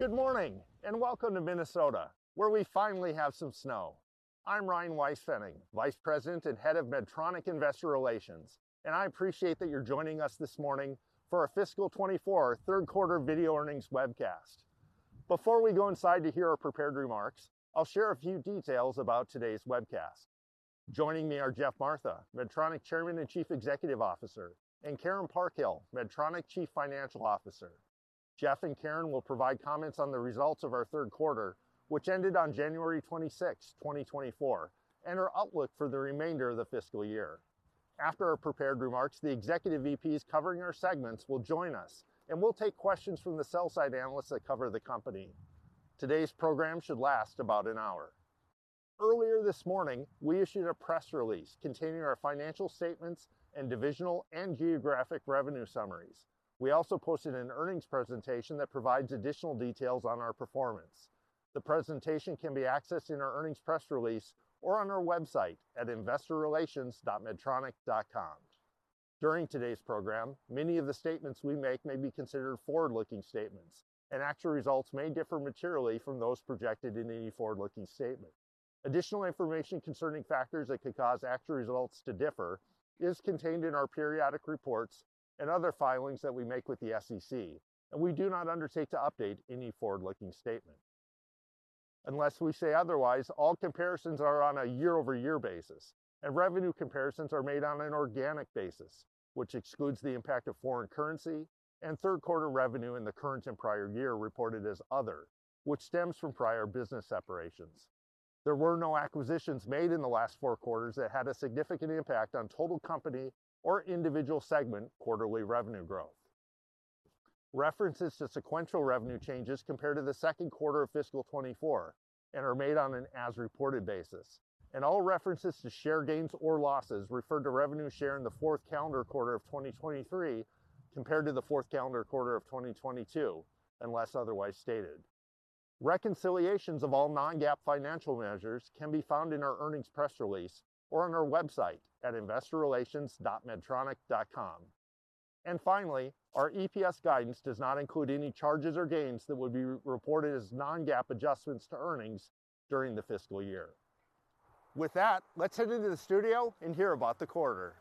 Good morning, and welcome to Minnesota, where we finally have some snow. I'm Ryan Weispfenning, Vice President and Head of Medtronic Investor Relations, and I appreciate that you're joining us this morning for our fiscal 2024 third quarter video earnings webcast. Before we go inside to hear our prepared remarks, I'll share a few details about today's webcast. Joining me are Geoff Martha, Medtronic Chairman and Chief Executive Officer, and Karen Parkhill, Medtronic Chief Financial Officer. Geoff and Karen will provide comments on the results of our third quarter, which ended on January 26th, 2024, and our outlook for the remainder of the fiscal year. After our prepared remarks, the executive VPs covering our segments will join us, and we'll take questions from the sell-side analysts that cover the company. Today's program should last about an hour. Earlier this morning, we issued a press release containing our financial statements and divisional and geographic revenue summaries. We also posted an earnings presentation that provides additional details on our performance. The presentation can be accessed in our earnings press release or on our website at investorrelations.medtronic.com. During today's program, many of the statements we make may be considered forward-looking statements, and actual results may differ materially from those projected in any forward-looking statement. Additional information concerning factors that could cause actual results to differ is contained in our periodic reports and other filings that we make with the SEC, and we do not undertake to update any forward-looking statement. Unless we say otherwise, all comparisons are on a year-over-year basis, and revenue comparisons are made on an organic basis, which excludes the impact of foreign currency and third quarter revenue in the current and prior year reported as Other, which stems from prior business separations. There were no acquisitions made in the last four quarters that had a significant impact on total company or individual segment quarterly revenue growth. References to sequential revenue changes compared to the second quarter of fiscal 2024 and are made on an as reported basis, and all references to share gains or losses referred to revenue share in the fourth calendar quarter of 2023 compared to the fourth calendar quarter of 2022, unless otherwise stated. Reconciliations of all non-GAAP financial measures can be found in our earnings press release or on our website at investorrelations.medtronic.com. And finally, our EPS guidance does not include any charges or gains that would be reported as non-GAAP adjustments to earnings during the fiscal year. With that, let's head into the studio and hear about the quarter.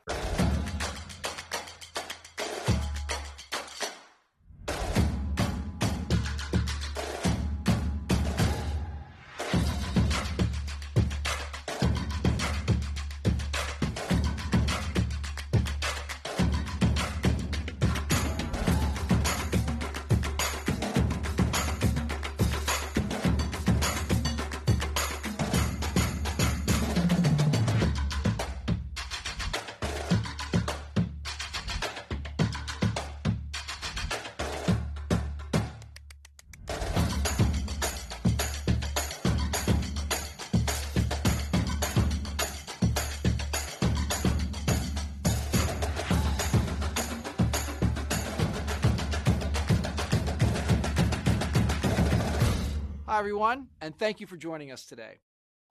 Hi, everyone, and thank you for joining us today.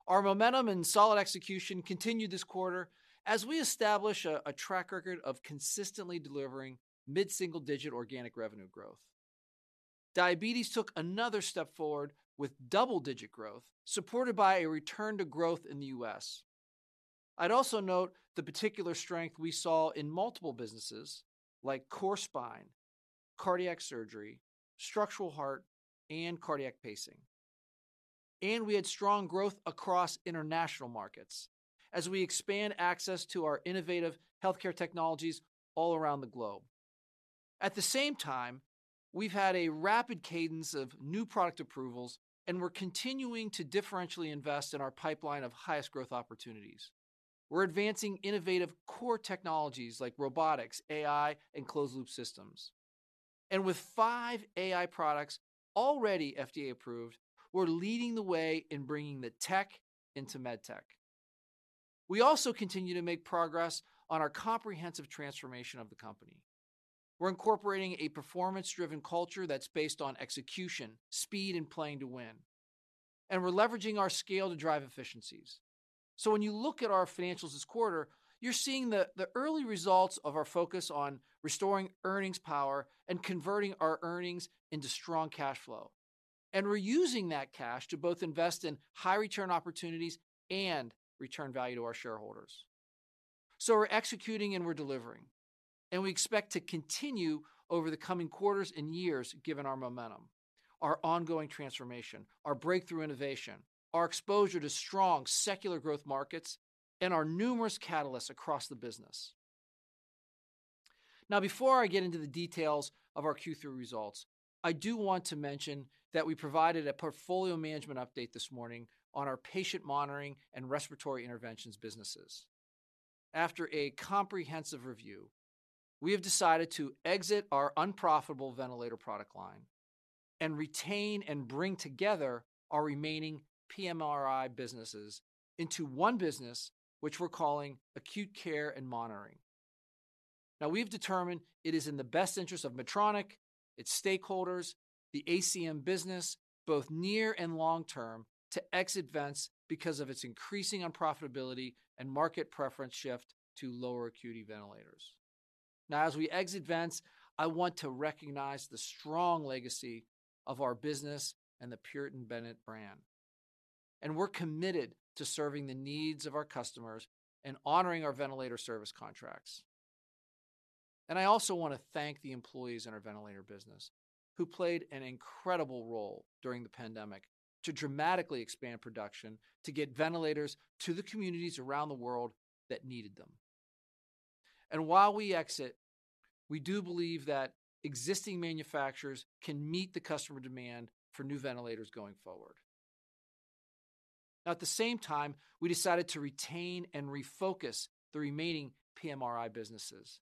Our momentum and solid execution continued this quarter as we establish a track record of consistently delivering mid-single-digit organic revenue growth. Diabetes took another step forward with double-digit growth, supported by a return to growth in the U.S. I'd also note the particular strength we saw in multiple businesses like core spine, cardiac surgery, structural heart, and cardiac pacing. And we had strong growth across international markets as we expand access to our innovative healthcare technologies all around the globe. At the same time, we've had a rapid cadence of new product approvals, and we're continuing to differentially invest in our pipeline of highest growth opportunities. We're advancing innovative core technologies like robotics, AI, and closed loop systems. And with five AI products already FDA approved, we're leading the way in bringing the tech into med tech. We also continue to make progress on our comprehensive transformation of the company. We're incorporating a performance-driven culture that's based on execution, speed, and playing to win, and we're leveraging our scale to drive efficiencies. So when you look at our financials this quarter, you're seeing the early results of our focus on restoring earnings power and converting our earnings into strong cash flow. And we're using that cash to both invest in high return opportunities and return value to our shareholders. So we're executing and we're delivering, and we expect to continue over the coming quarters and years, given our momentum, our ongoing transformation, our breakthrough innovation, our exposure to strong secular growth markets, and our numerous catalysts across the business. Now, before I get into the details of our Q3 results, I do want to mention that we provided a portfolio management update this morning on our patient monitoring and respiratory interventions businesses. After a comprehensive review, we have decided to exit our unprofitable ventilator product line and retain and bring together our remaining PMRI businesses into one business, which we're calling Acute Care and Monitoring. Now, we've determined it is in the best interest of Medtronic, its stakeholders, the ACM business, both near and long term, to exit vents because of its increasing unprofitability and market preference shift to lower acuity ventilators.... Now, as we exit Vents, I want to recognize the strong legacy of our business and the Puritan Bennett brand. We're committed to serving the needs of our customers and honoring our ventilator service contracts. I also want to thank the employees in our ventilator business, who played an incredible role during the pandemic to dramatically expand production, to get ventilators to the communities around the world that needed them. And while we exit, we do believe that existing manufacturers can meet the customer demand for new ventilators going forward. At the same time, we decided to retain and refocus the remaining PMRI businesses.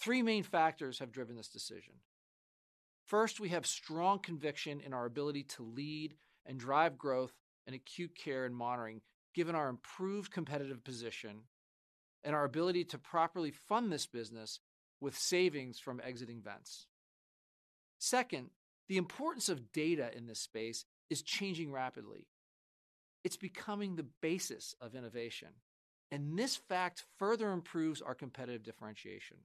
Three main factors have driven this decision. First, we have strong conviction in our ability to lead and drive growth in acute care and monitoring, given our improved competitive position and our ability to properly fund this business with savings from exiting Vents. Second, the importance of data in this space is changing rapidly. It's becoming the basis of innovation, and this fact further improves our competitive differentiation.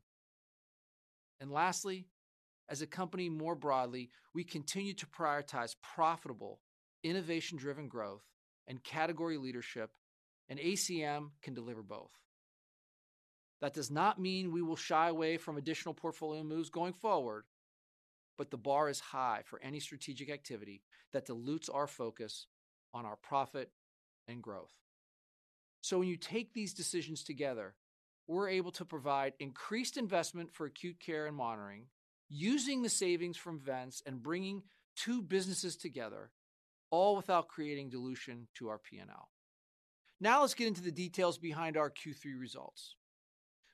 Lastly, as a company, more broadly, we continue to prioritize profitable, innovation-driven growth and category leadership, and ACM can deliver both. That does not mean we will shy away from additional portfolio moves going forward, but the bar is high for any strategic activity that dilutes our focus on our profit and growth. So when you take these decisions together, we're able to provide increased investment for acute care and monitoring, using the savings from Vents and bringing two businesses together, all without creating dilution to our PNL. Now let's get into the details behind our Q3 results.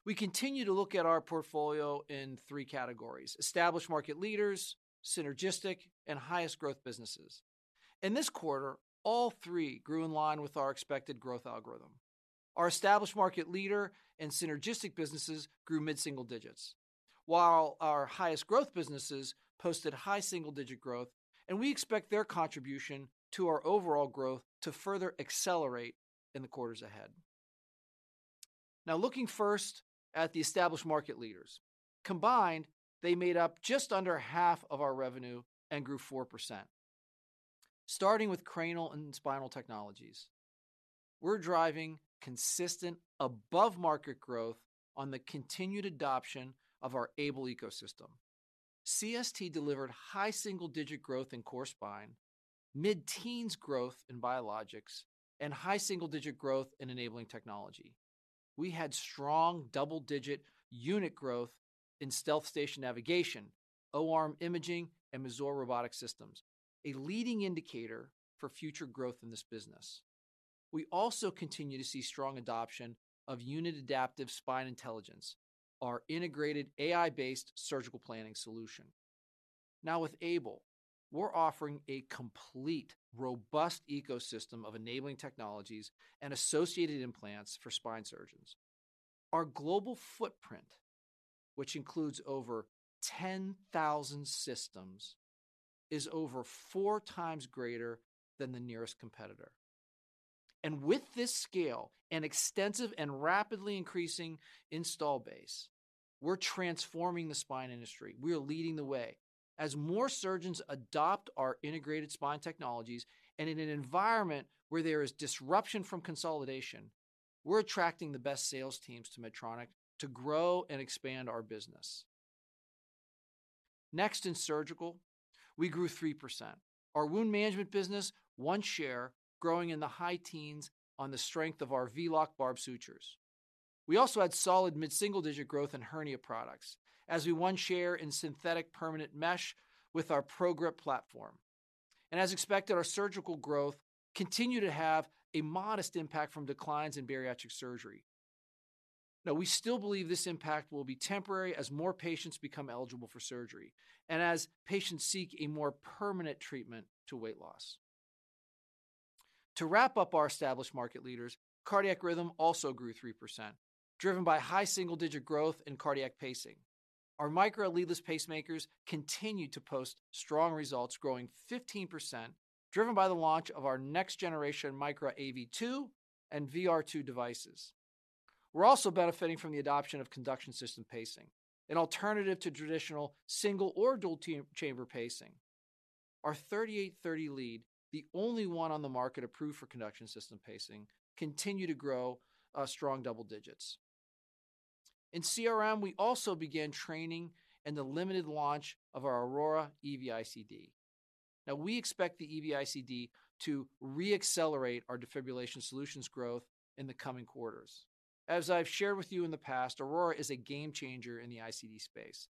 We continue to look at our portfolio in three categories: established market leaders, synergistic, and highest growth businesses. In this quarter, all three grew in line with our expected growth algorithm. Our established market leader and synergistic businesses grew mid-single digits, while our highest growth businesses posted high single-digit growth, and we expect their contribution to our overall growth to further accelerate in the quarters ahead. Now, looking first at the established market leaders. Combined, they made up just under half of our revenue and grew 4%. Starting with Cranial and Spinal Technologies, we're driving consistent above-market growth on the continued adoption of our AiBLE ecosystem. CST delivered high single-digit growth in core spine, mid-teens growth in biologics, and high single-digit growth in enabling technology. We had strong double-digit unit growth in StealthStation navigation, O-arm imaging, and Mazor Robotic Systems, a leading indicator for future growth in this business. We also continue to see strong adoption of UNiD Adaptive Spine Intelligence, our integrated AI-based surgical planning solution. Now, with AiBLE, we're offering a complete, robust ecosystem of enabling technologies and associated implants for spine surgeons. Our global footprint, which includes over 10,000 systems, is over 4x greater than the nearest competitor. And with this scale and extensive and rapidly increasing install base, we're transforming the spine industry. We are leading the way. As more surgeons adopt our integrated spine technologies and in an environment where there is disruption from consolidation, we're attracting the best sales teams to Medtronic to grow and expand our business. Next, in surgical, we grew 3%. Our wound management business won share, growing in the high teens on the strength of our V-Loc barbed sutures. We also had solid mid-single-digit growth in hernia products as we won share in synthetic permanent mesh with our ProGrip platform. As expected, our surgical growth continued to have a modest impact from declines in bariatric surgery. Now, we still believe this impact will be temporary as more patients become eligible for surgery and as patients seek a more permanent treatment to weight loss. To wrap up our established market leaders, cardiac rhythm also grew 3%, driven by high single-digit growth in cardiac pacing. Our Micra leadless pacemakers continued to post strong results, growing 15%, driven by the launch of our next generation Micra AV2 and VR2 devices. We're also benefiting from the adoption of conduction system pacing, an alternative to traditional single or dual-chamber pacing. Our 3830 lead, the only one on the market approved for conduction system pacing, continue to grow strong double digits. In CRM, we also began training and the limited launch of our Aurora EV-ICD. Now, we expect the EV-ICD to re-accelerate our defibrillation solutions growth in the coming quarters. As I've shared with you in the past, Aurora is a game changer in the ICD space.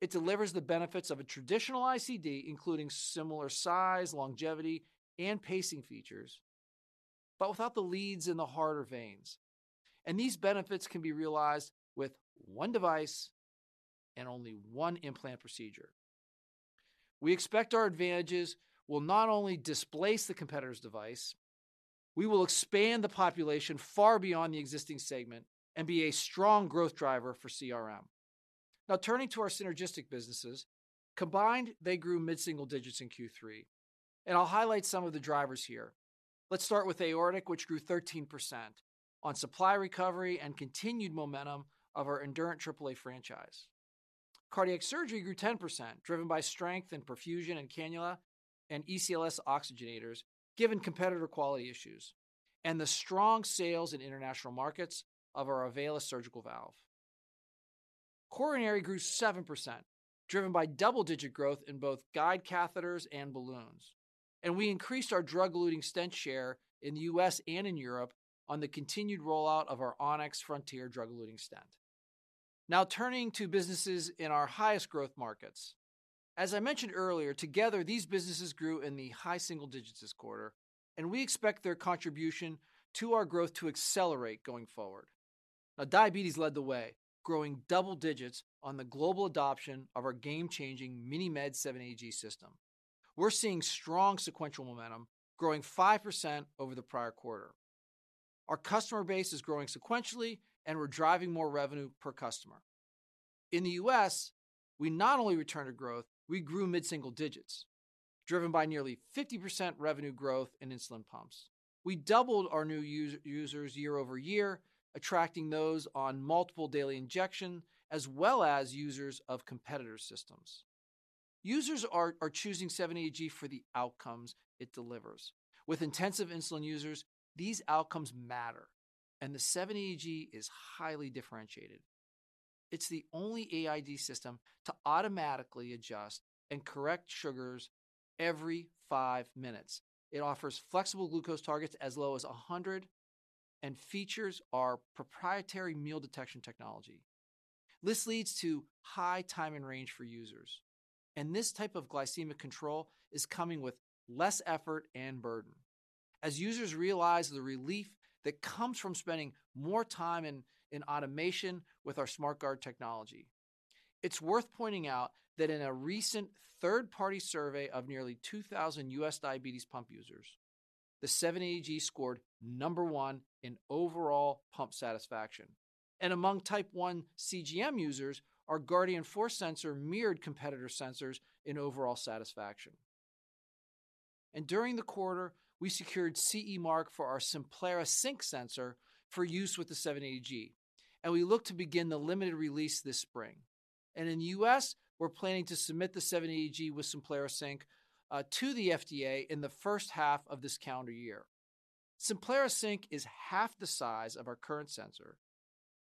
It delivers the benefits of a traditional ICD, including similar size, longevity, and pacing features, but without the leads in the heart or veins. These benefits can be realized with one device and only one implant procedure. We expect our advantages will not only displace the competitor's device, we will expand the population far beyond the existing segment and be a strong growth driver for CRM. Now, turning to our synergistic businesses, combined, they grew mid-single digits in Q3, and I'll highlight some of the drivers here... Let's start with aortic, which grew 13% on supply recovery and continued momentum of our Endurant AAA franchise. Cardiac surgery grew 10%, driven by strength in perfusion and cannula and ECLS oxygenators, given competitor quality issues and the strong sales in international markets of our Avalus surgical valve. Coronary grew 7%, driven by double-digit growth in both guide catheters and balloons, and we increased our drug-eluting stent share in the U.S. and in Europe on the continued rollout of our Onyx Frontier drug-eluting stent. Now turning to businesses in our highest growth markets. As I mentioned earlier, together, these businesses grew in the high single digits this quarter, and we expect their contribution to our growth to accelerate going forward. Now, diabetes led the way, growing double digits on the global adoption of our game-changing MiniMed 780G system. We're seeing strong sequential momentum, growing 5% over the prior quarter. Our customer base is growing sequentially, and we're driving more revenue per customer. In the U.S., we not only returned to growth, we grew mid-single digits, driven by nearly 50% revenue growth in insulin pumps. We doubled our new users year-over-year, attracting those on multiple daily injection, as well as users of competitor systems. Users are choosing 780G for the outcomes it delivers. With intensive insulin users, these outcomes matter, and the 780G is highly differentiated. It's the only AID system to automatically adjust and correct sugars every five minutes. It offers flexible glucose targets as low as 100 and features our proprietary meal detection technology. This leads to high time and range for users, and this type of glycemic control is coming with less effort and burden. As users realize the relief that comes from spending more time in automation with our SmartGuard technology. It's worth pointing out that in a recent third-party survey of nearly 2,000 U.S. diabetes pump users, the 780G scored number one in overall pump satisfaction. Among Type 1 CGM users, our Guardian 4 sensor mirrored competitor sensors in overall satisfaction. During the quarter, we secured CE Mark for our Simplera Sync sensor for use with the 780G, and we look to begin the limited release this spring. In the U.S., we're planning to submit the 780G with Simplera Sync to the FDA in the first half of this calendar year. Simplera Sync is half the size of our current sensor.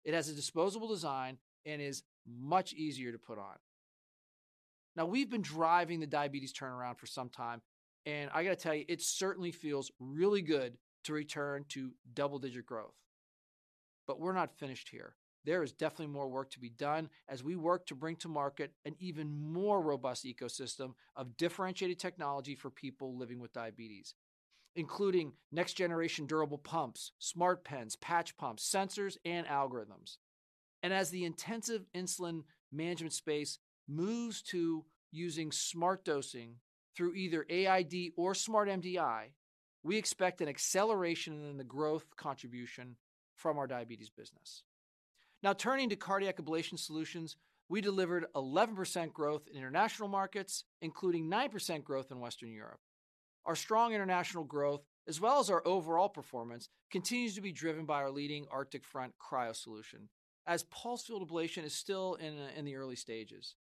It has a disposable design and is much easier to put on. Now, we've been driving the diabetes turnaround for some time, and I got to tell you, it certainly feels really good to return to double-digit growth. But we're not finished here. There is definitely more work to be done as we work to bring to market an even more robust ecosystem of differentiated technology for people living with diabetes, including next-generation durable pumps, smart pens, patch pumps, sensors, and algorithms. As the intensive insulin management space moves to using smart dosing through either AID or Smart MDI, we expect an acceleration in the growth contribution from our diabetes business. Now, turning to cardiac ablation solutions, we delivered 11% growth in international markets, including 9% growth in Western Europe. Our strong international growth, as well as our overall performance, continues to be driven by our leading Arctic Front cryo solution, as pulsed field ablation is still in the early stages.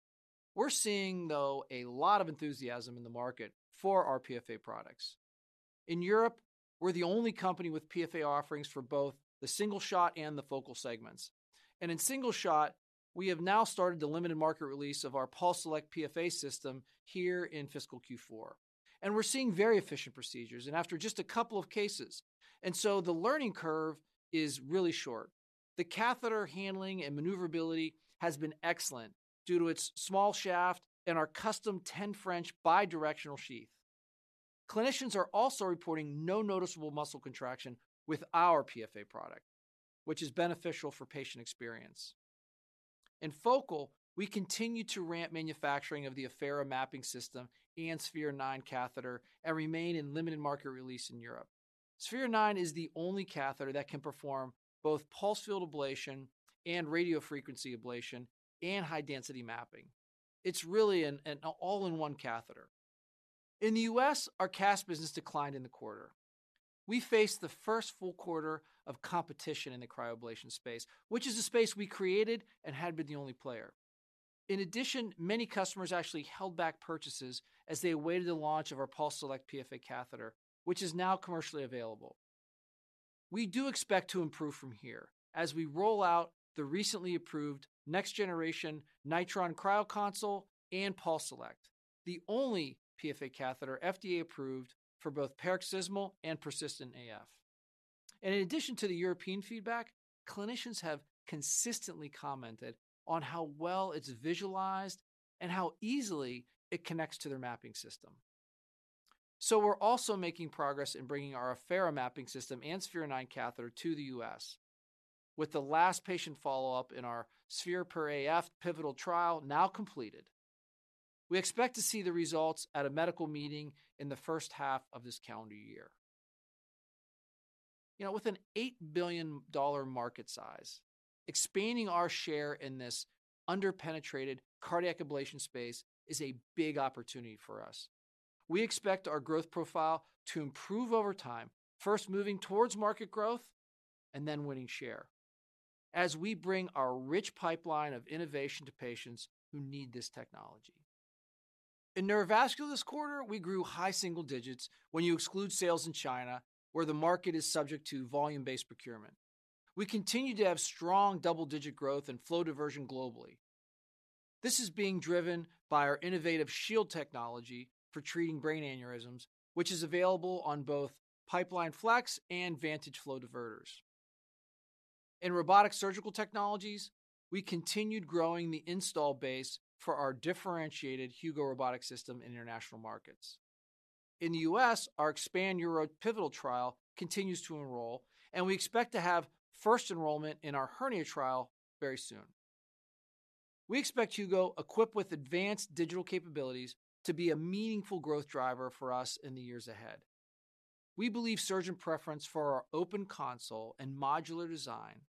We're seeing, though, a lot of enthusiasm in the market for our PFA products. In Europe, we're the only company with PFA offerings for both the single shot and the focal segments. In single shot, we have now started the limited market release of our PulseSelect PFA system here in fiscal Q4. We're seeing very efficient procedures and after just a couple of cases. So the learning curve is really short. The catheter handling and maneuverability has been excellent due to its small shaft and our custom 10 French bidirectional sheath. Clinicians are also reporting no noticeable muscle contraction with our PFA product, which is beneficial for patient experience. In focal, we continue to ramp manufacturing of the Affera Mapping System and Sphere-9 catheter and remain in limited market release in Europe. Sphere-9 is the only catheter that can perform both pulsed field ablation and radiofrequency ablation and high-density mapping. It's really an all-in-one catheter. In the U.S., our CAS business declined in the quarter. We faced the first full quarter of competition in the cryoablation space, which is a space we created and had been the only player. In addition, many customers actually held back purchases as they awaited the launch of our PulseSelect PFA catheter, which is now commercially available. We do expect to improve from here as we roll out the recently approved next generation Nitron CryoConsole and PulseSelect, the only PFA catheter FDA approved for both paroxysmal and persistent AF. And in addition to the European feedback, clinicians have consistently commented on how well it's visualized and how easily it connects to their mapping system. So we're also making progress in bringing our Affera Mapping System and Sphere-9 catheter to the U.S., with the last patient follow-up in our SPHERE Per-AF pivotal trial now completed. We expect to see the results at a medical meeting in the first half of this calendar year. You know, with an $8 billion market size, expanding our share in this under-penetrated cardiac ablation space is a big opportunity for us. We expect our growth profile to improve over time, first moving towards market growth and then winning share, as we bring our rich pipeline of innovation to patients who need this technology. In neurovascular this quarter, we grew high single digits when you exclude sales in China, where the market is subject to volume-based procurement. We continue to have strong double-digit growth in flow diversion globally. This is being driven by our innovative Shield Technology for treating brain aneurysms, which is available on both Pipeline Flex and Vantage flow diverters. In robotic surgical technologies, we continued growing the install base for our differentiated Hugo robotic system in international markets. In the U.S., our Expand EU pivotal trial continues to enroll, and we expect to have first enrollment in our hernia trial very soon. We expect Hugo, equipped with advanced digital capabilities, to be a meaningful growth driver for us in the years ahead. We believe surgeon preference for our open console and modular design,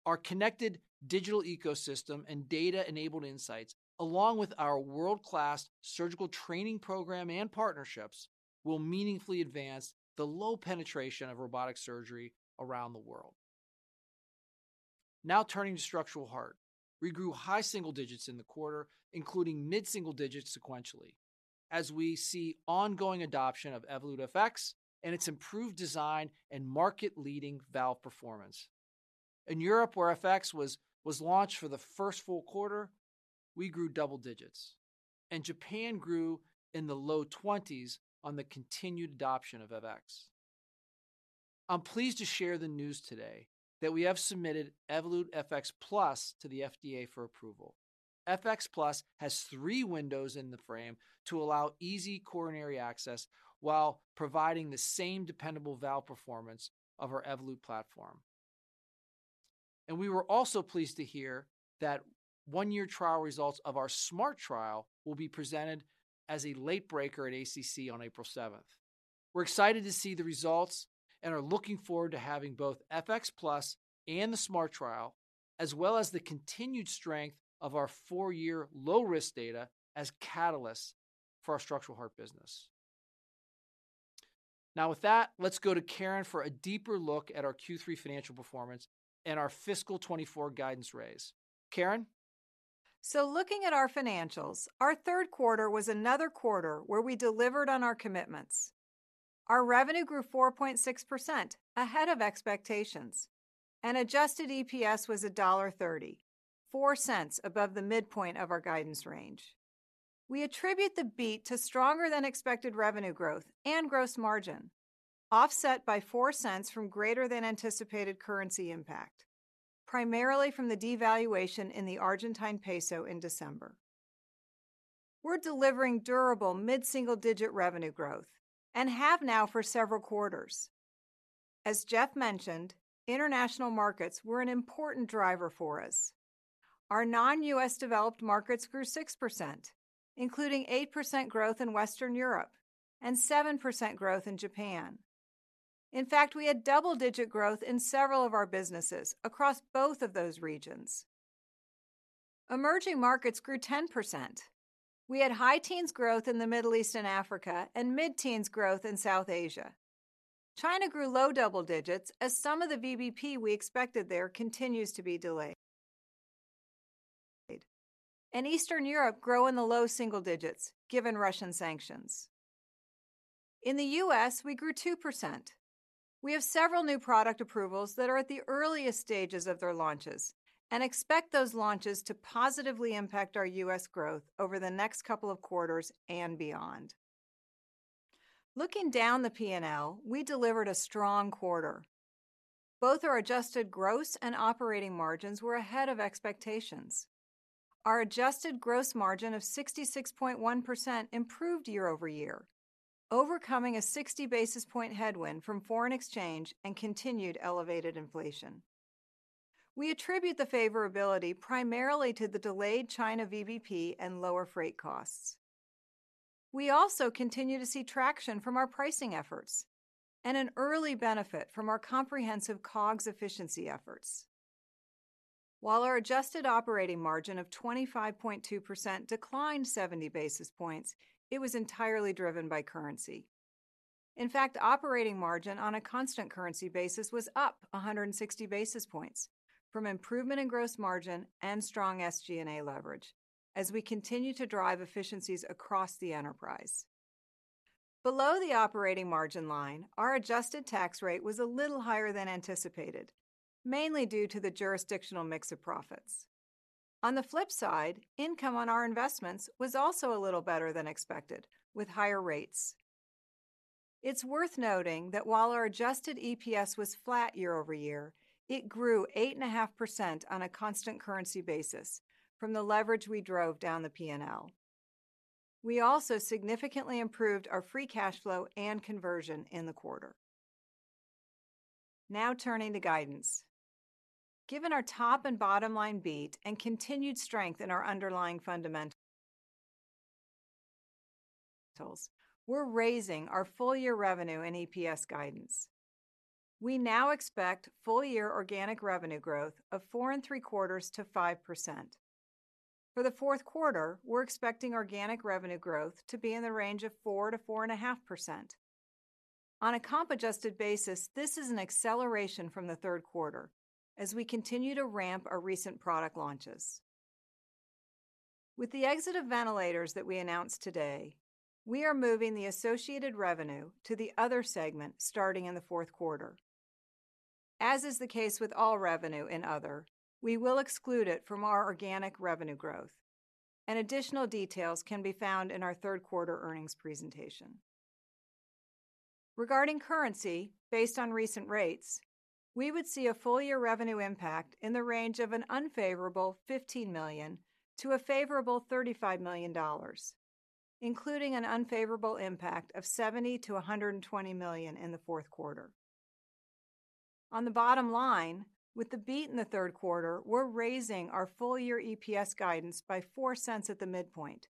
our leading position in minimally invasive surgery and instrumentation, our connected digital ecosystem and data-enabled insights, along with our world-class surgical training program and partnerships, will meaningfully advance the low penetration of robotic surgery around the world. Now turning to structural heart. We grew high single digits in the quarter, including mid-single digits sequentially, as we see ongoing adoption of Evolut FX and its improved design and market-leading valve performance. In Europe, where FX was launched for the first full quarter, we grew double digits, and Japan grew in the low 20s on the continued adoption of FX. I'm pleased to share the news today that we have submitted Evolut FX+ to the FDA for approval. FX+ has three windows in the frame to allow easy coronary access while providing the same dependable valve performance of our Evolut platform. We were also pleased to hear that one-year trial results of our SMART Trial will be presented as a late breaker at ACC on April 7. We're excited to see the results and are looking forward to having both FX+ and the SMART Trial, as well as the continued strength of our four-year low-risk data, as catalysts for our structural heart business. Now, with that, let's go to Karen for a deeper look at our Q3 financial performance and our fiscal 2024 guidance raise. Karen? So looking at our financials, our third quarter was another quarter where we delivered on our commitments. Our revenue grew 4.6%, ahead of expectations, and adjusted EPS was $1.30, $0.04 above the midpoint of our guidance range. We attribute the beat to stronger-than-expected revenue growth and gross margin, offset by $0.04 from greater-than-anticipated currency impact, primarily from the devaluation in the Argentine peso in December. We're delivering durable mid-single-digit revenue growth and have now for several quarters. As Geoff mentioned, international markets were an important driver for us. Our non-U.S. developed markets grew 6%, including 8% growth in Western Europe and 7% growth in Japan. In fact, we had double-digit growth in several of our businesses across both of those regions. Emerging markets grew 10%. We had high-teens growth in the Middle East and Africa and mid-teens growth in South Asia. China grew low double digits as some of the VBP we expected there continues to be delayed. Eastern Europe grew in the low single digits, given Russian sanctions. In the U.S., we grew 2%. We have several new product approvals that are at the earliest stages of their launches and expect those launches to positively impact our U.S. growth over the next couple of quarters and beyond. Looking down the P&L, we delivered a strong quarter. Both our adjusted gross and operating margins were ahead of expectations. Our adjusted gross margin of 66.1% improved year-over-year, overcoming a 60 basis point headwind from foreign exchange and continued elevated inflation. We attribute the favorability primarily to the delayed China VBP and lower freight costs. We also continue to see traction from our pricing efforts and an early benefit from our comprehensive COGS efficiency efforts. While our adjusted operating margin of 25.2% declined 70 basis points, it was entirely driven by currency. In fact, operating margin on a constant currency basis was up 160 basis points from improvement in gross margin and strong SG&A leverage as we continue to drive efficiencies across the enterprise. Below the operating margin line, our adjusted tax rate was a little higher than anticipated, mainly due to the jurisdictional mix of profits. On the flip side, income on our investments was also a little better than expected, with higher rates. It's worth noting that while our adjusted EPS was flat year-over-year, it grew 8.5% on a constant currency basis from the leverage we drove down the P&L. We also significantly improved our free cash flow and conversion in the quarter. Now turning to guidance. Given our top and bottom line beat and continued strength in our underlying fundamentals, we're raising our full year revenue and EPS guidance. We now expect full year organic revenue growth of 4.75%-5%. For the fourth quarter, we're expecting organic revenue growth to be in the range of 4%-4.5%. On a comp adjusted basis, this is an acceleration from the third quarter as we continue to ramp our recent product launches. With the exit of ventilators that we announced today, we are moving the associated revenue to the other segment starting in the fourth quarter. As is the case with all revenue and other, we will exclude it from our organic revenue growth, and additional details can be found in our third quarter earnings presentation. Regarding currency, based on recent rates, we would see a full year revenue impact in the range of an unfavorable $15 million to a favorable $35 million, including an unfavorable impact of $70 million-$120 million in the fourth quarter. On the bottom line, with the beat in the third quarter, we're raising our full year EPS guidance by $0.04 at the midpoint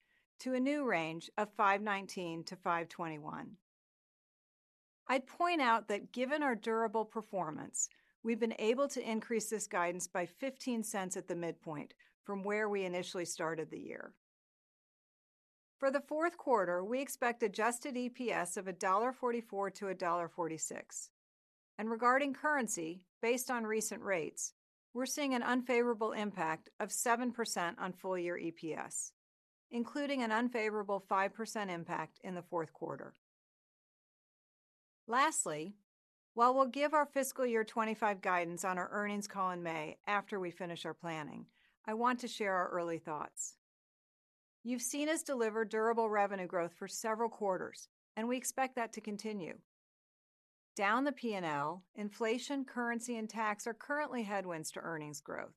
to a new range of $5.19-$5.21. I'd point out that given our durable performance, we've been able to increase this guidance by $0.15 at the midpoint from where we initially started the year. For the fourth quarter, we expect adjusted EPS of $1.44-$1.46. And regarding currency, based on recent rates, we're seeing an unfavorable impact of 7% on full year EPS, including an unfavorable 5% impact in the fourth quarter. Lastly, while we'll give our fiscal year 2025 guidance on our earnings call in May after we finish our planning, I want to share our early thoughts. You've seen us deliver durable revenue growth for several quarters, and we expect that to continue. Down the P&L, inflation, currency, and tax are currently headwinds to earnings growth,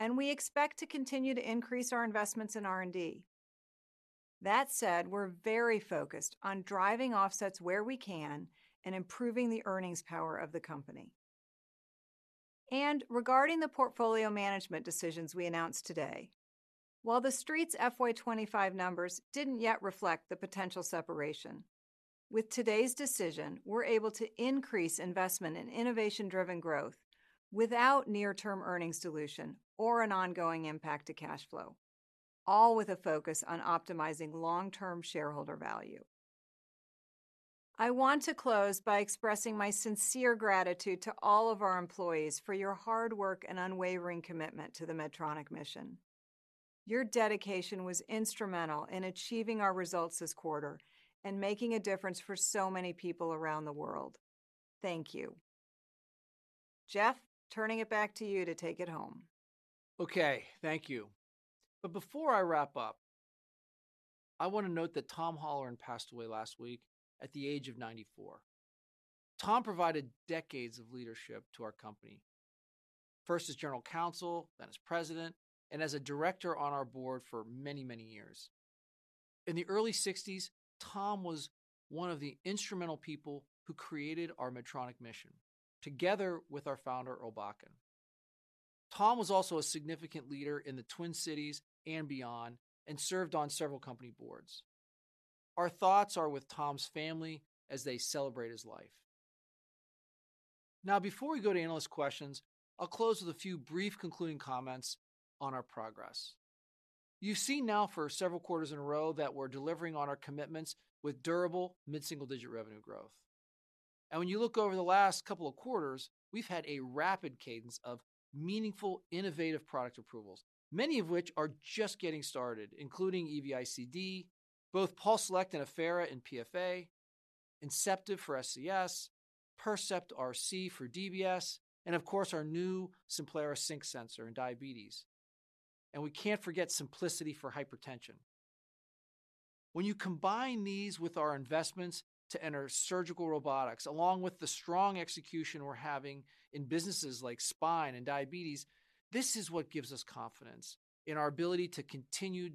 and we expect to continue to increase our investments in R&D. That said, we're very focused on driving offsets where we can and improving the earnings power of the company. Regarding the portfolio management decisions we announced today, while the Street's FY 2025 numbers didn't yet reflect the potential separation, with today's decision, we're able to increase investment in innovation-driven growth without near-term earnings dilution or an ongoing impact to cash flow, all with a focus on optimizing long-term shareholder value. I want to close by expressing my sincere gratitude to all of our employees for your hard work and unwavering commitment to the Medtronic mission. Your dedication was instrumental in achieving our results this quarter and making a difference for so many people around the world. Thank you. Geoff, turning it back to you to take it home. Okay, thank you. But before I wrap up, I want to note that Tom Holloran passed away last week at the age of 94. Tom provided decades of leadership to our company, first as General Counsel, then as President, and as a director on our board for many, many years. In the early 1960s, Tom was one of the instrumental people who created our Medtronic mission, together with our founder, Earl Bakken. Tom was also a significant leader in the Twin Cities and beyond and served on several company boards. Our thoughts are with Tom's family as they celebrate his life. Now, before we go to analyst questions, I'll close with a few brief concluding comments on our progress. You've seen now for several quarters in a row that we're delivering on our commitments with durable mid-single-digit revenue growth. When you look over the last couple of quarters, we've had a rapid cadence of meaningful, innovative product approvals, many of which are just getting started, including EV-ICD, both PulseSelect and Affera in PFA, Inceptiv for SCS, Percept RC for DBS, and of course, our new Simplera Sync sensor in diabetes. We can't forget Symplicity for hypertension. When you combine these with our investments to enter surgical robotics, along with the strong execution we're having in businesses like spine and diabetes, this is what gives us confidence in our ability to continue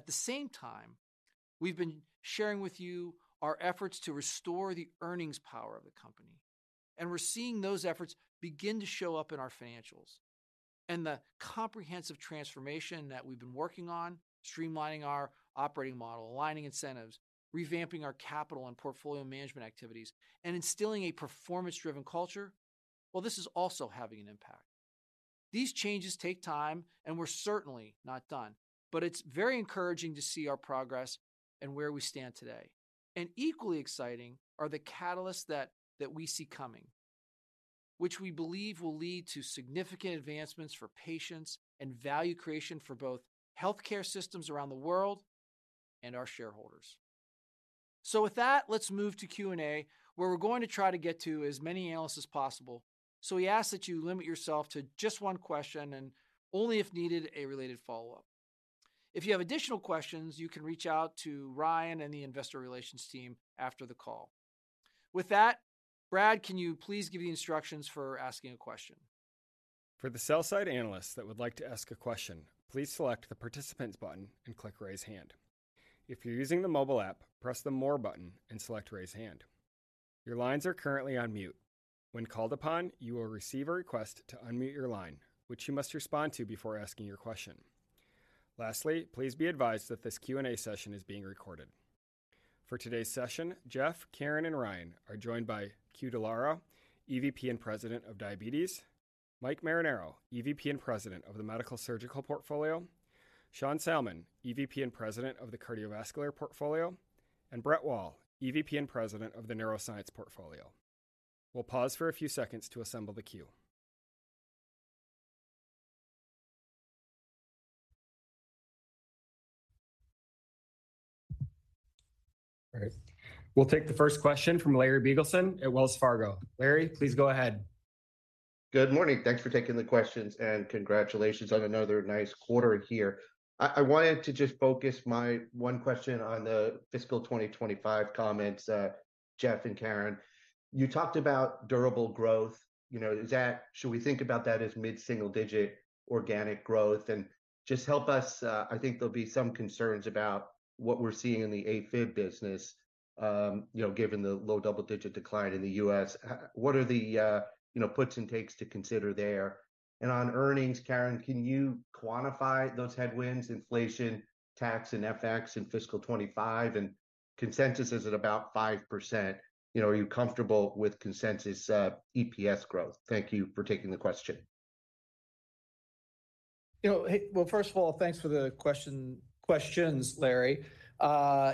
delivering durable growth. At the same time, we've been sharing with you our efforts to restore the earnings power of the company, and we're seeing those efforts begin to show up in our financials. The comprehensive transformation that we've been working on, streamlining our operating model, aligning incentives, revamping our capital and portfolio management activities, and instilling a performance-driven culture, well, this is also having an impact. These changes take time, and we're certainly not done, but it's very encouraging to see our progress and where we stand today. Equally exciting are the catalysts that we see coming, which we believe will lead to significant advancements for patients and value creation for both healthcare systems around the world and our shareholders. With that, let's move to Q&A, where we're going to try to get to as many analysts as possible. We ask that you limit yourself to just one question and only if needed, a related follow-up. If you have additional questions, you can reach out to Ryan and the investor relations team after the call. With that, Brad, can you please give the instructions for asking a question? For the sell-side analysts that would like to ask a question, please select the Participants button and click Raise Hand. If you're using the mobile app, press the More button and select Raise Hand. Your lines are currently on mute. When called upon, you will receive a request to unmute your line, which you must respond to before asking your question. Lastly, please be advised that this Q&A session is being recorded. For today's session, Geoff, Karen, and Ryan are joined by Que Dallara, EVP and President of Diabetes; Mike Marinaro, EVP and President of the Medical Surgical Portfolio; Sean Salmon, EVP and President of the Cardiovascular Portfolio; and Brett Wall, EVP and President of the Neuroscience Portfolio. We'll pause for a few seconds to assemble the queue. All right. We'll take the first question from Larry Biegelsen at Wells Fargo. Larry, please go ahead. Good morning. Thanks for taking the questions, and congratulations on another nice quarter here. I, I wanted to just focus my one question on the fiscal 2025 comments, Geoff and Karen. You talked about durable growth. You know, is that—should we think about that as mid-single-digit organic growth? And just help us... I think there'll be some concerns about what we're seeing in the AFib business, you know, given the low double-digit decline in the U.S.. What are the, you know, puts and takes to consider there? And on earnings, Karen, can you quantify those headwinds, inflation, tax, and FX in fiscal 2025? And consensus is at about 5%. You know, are you comfortable with consensus, EPS growth? Thank you for taking the question. You know, hey, well, first of all, thanks for the question, questions, Larry.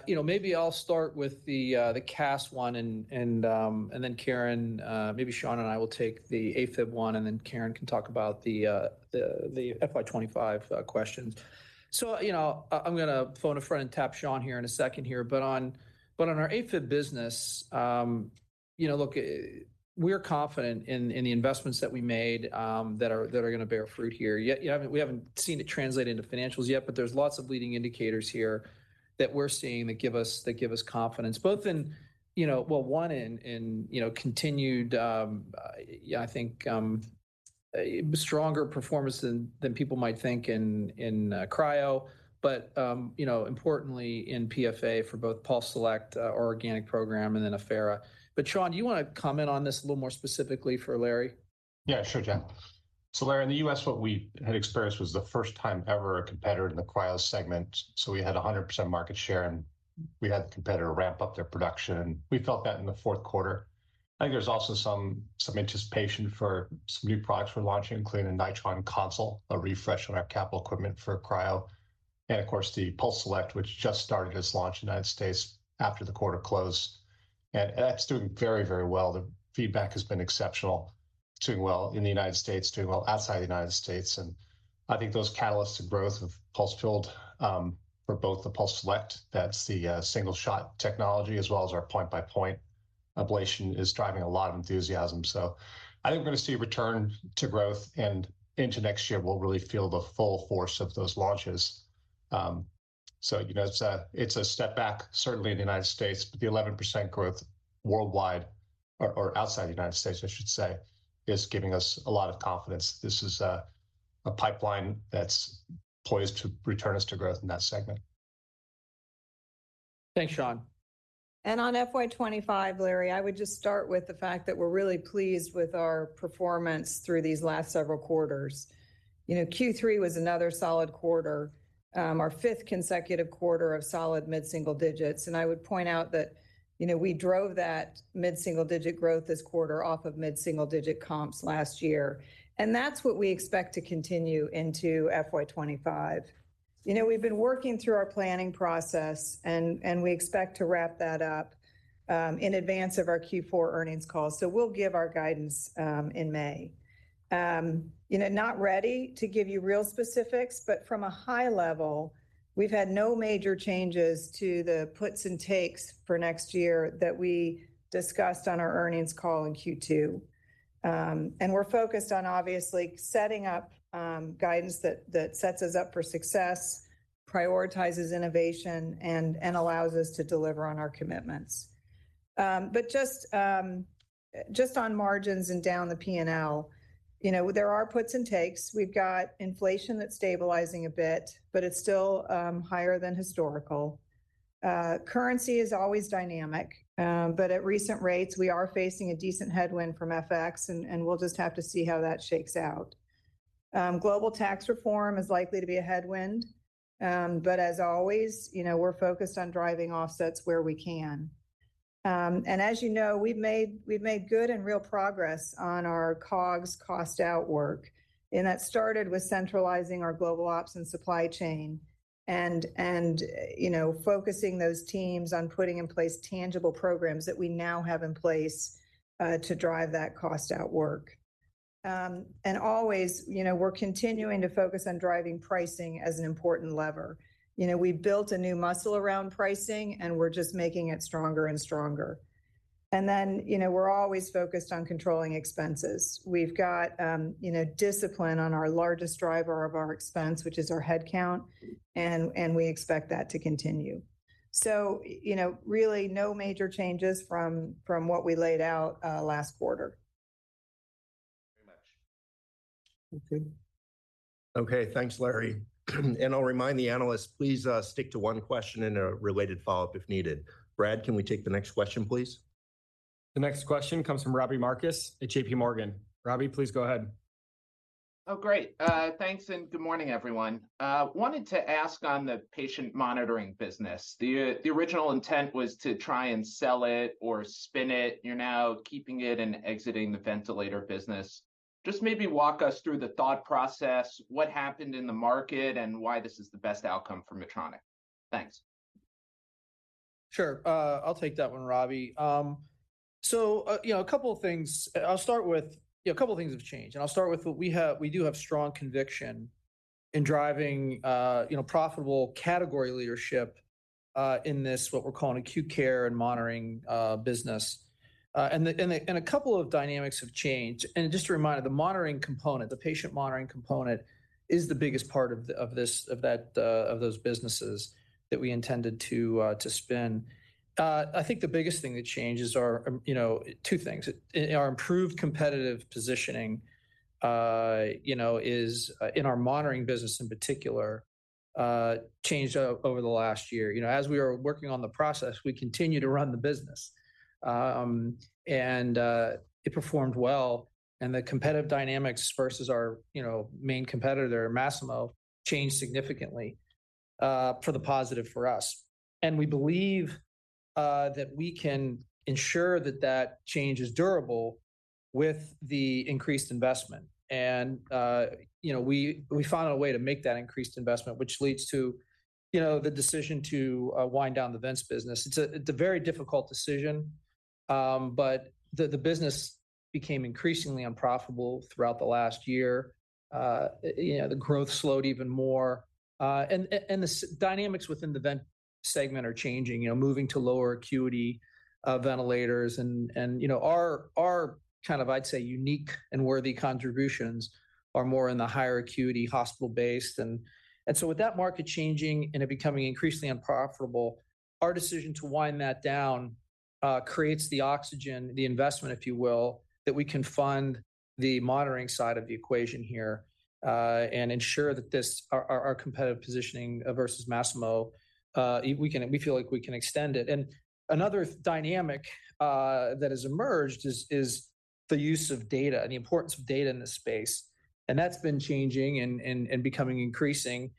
You know, maybe I'll start with the CAS one, and then Karen, maybe Sean and I will take the AFib one, and then Karen can talk about the FY 2025 questions. So, you know, I, I'm gonna phone a friend and tap Sean here in a second here, but on our AFib business, you know, look, we're confident in the investments that we made that are gonna bear fruit here. Yet, we haven't seen it translate into financials yet, but there's lots of leading indicators here that we're seeing that give us confidence, both in, you know... Well, one in, you know, continued, yeah, I think stronger performance than people might think in cryo, but you know, importantly, in PFA for both PulseSelect, our organic program, and then Affera. But, Sean, do you want to comment on this a little more specifically for Larry? Yeah, sure, Geoff. So, Larry, in the U.S., what we had experienced was the first time ever a competitor in the cryo segment, so we had a 100% market share, and we had the competitor ramp up their production. We felt that in the fourth quarter. I think there's also some, some anticipation for some new products we're launching, including a Nitron CryoConsole, a refresh on our capital equipment for cryo, and of course, the PulseSelect, which just started its launch in the United States after the quarter closed. And that's doing very, very well. The feedback has been exceptional. Doing well in the United States, doing well outside the United States, and I think those catalysts to growth of pulsed field for both the PulseSelect, that's the single-shot technology, as well as our point-by-point ablation, is driving a lot of enthusiasm. So I think we're gonna see a return to growth, and into next year, we'll really feel the full force of those launches. So, you know, it's a step back, certainly in the United States, but the 11% growth worldwide, or outside the United States, I should say, is giving us a lot of confidence. This is a pipeline that's poised to return us to growth in that segment. Thanks, Sean. On FY 2025, Larry, I would just start with the fact that we're really pleased with our performance through these last several quarters. You know, Q3 was another solid quarter, our fifth consecutive quarter of solid mid-single digits, and I would point out that, you know, we drove that mid-single-digit growth this quarter off of mid-single-digit comps last year. And that's what we expect to continue into FY 2025. You know, we've been working through our planning process, and we expect to wrap that up in advance of our Q4 earnings call. So we'll give our guidance in May. You know, not ready to give you real specifics, but from a high level, we've had no major changes to the puts and takes for next year that we discussed on our earnings call in Q2. We're focused on obviously setting up guidance that, that sets us up for success, prioritizes innovation, and, and allows us to deliver on our commitments. But just, just on margins and down the PNL, you know, there are puts and takes. We've got inflation that's stabilizing a bit, but it's still higher than historical. Currency is always dynamic, but at recent rates, we are facing a decent headwind from FX, and, and we'll just have to see how that shakes out. Global tax reform is likely to be a headwind, but as always, you know, we're focused on driving offsets where we can. And as you know, we've made, we've made good and real progress on our COGS cost out work, and that started with centralizing our global ops and supply chain and, you know, focusing those teams on putting in place tangible programs that we now have in place, to drive that cost out work. And always, you know, we're continuing to focus on driving pricing as an important lever. You know, we've built a new muscle around pricing, and we're just making it stronger and stronger. And then, you know, we're always focused on controlling expenses. We've got, you know, discipline on our largest driver of our expense, which is our headcount, and we expect that to continue. So, you know, really, no major changes from what we laid out, last quarter. Okay. Okay, thanks, Larry. And I'll remind the analysts, please, stick to one question and a related follow-up if needed. Brad, can we take the next question, please? The next question comes from Robbie Marcus at JPMorgan. Robbie, please go ahead. Oh, great. Thanks, and good morning, everyone. Wanted to ask on the patient monitoring business, the original intent was to try and sell it or spin it. You're now keeping it and exiting the ventilator business. Just maybe walk us through the thought process, what happened in the market, and why this is the best outcome for Medtronic. Thanks. Sure. I'll take that one, Robbie. So, you know, a couple of things, I'll start with... You know, a couple things have changed, and I'll start with what we have- we do have strong conviction in driving, you know, profitable category leadership, in this, what we're calling Acute Care and Monitoring business. And a couple of dynamics have changed. And just a reminder, the monitoring component, the patient monitoring component, is the biggest part of this, of that, of those businesses that we intended to spin. I think the biggest thing that changed is our, you know, two things. Our improved competitive positioning, you know, is in our monitoring business in particular, changed over the last year. You know, as we are working on the process, we continue to run the business. It performed well, and the competitive dynamics versus our, you know, main competitor, Masimo, changed significantly for the positive for us. And we believe that we can ensure that that change is durable with the increased investment. And, you know, we found a way to make that increased investment, which leads to, you know, the decision to wind down the vents business. It's a very difficult decision, but the business became increasingly unprofitable throughout the last year. You know, the growth slowed even more, and the dynamics within the vent segment are changing, you know, moving to lower acuity ventilators. You know, our kind of, I'd say, unique and worthy contributions are more in the higher acuity hospital-based. So with that market changing and it becoming increasingly unprofitable, our decision to wind that down creates the oxygen, the investment if you will, that we can fund the monitoring side of the equation here, and ensure that this, our competitive positioning versus Masimo, we feel like we can extend it. Another dynamic that has emerged is the use of data and the importance of data in this space, and that's been changing and becoming increasing.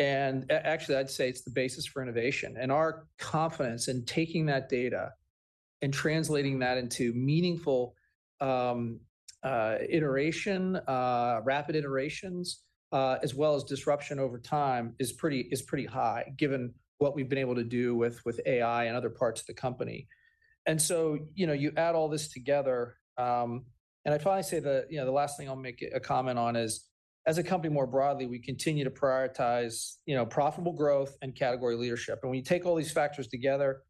Actually, I'd say, it's the basis for innovation. Our confidence in taking that data and translating that into meaningful iteration, rapid iterations, as well as disruption over time, is pretty, is pretty high, given what we've been able to do with, with AI and other parts of the company. So, you know, you add all this together. I'd probably say the, you know, the last thing I'll make a comment on is, as a company more broadly, we continue to prioritize, you know, profitable growth and category leadership. And when you take all these factors together,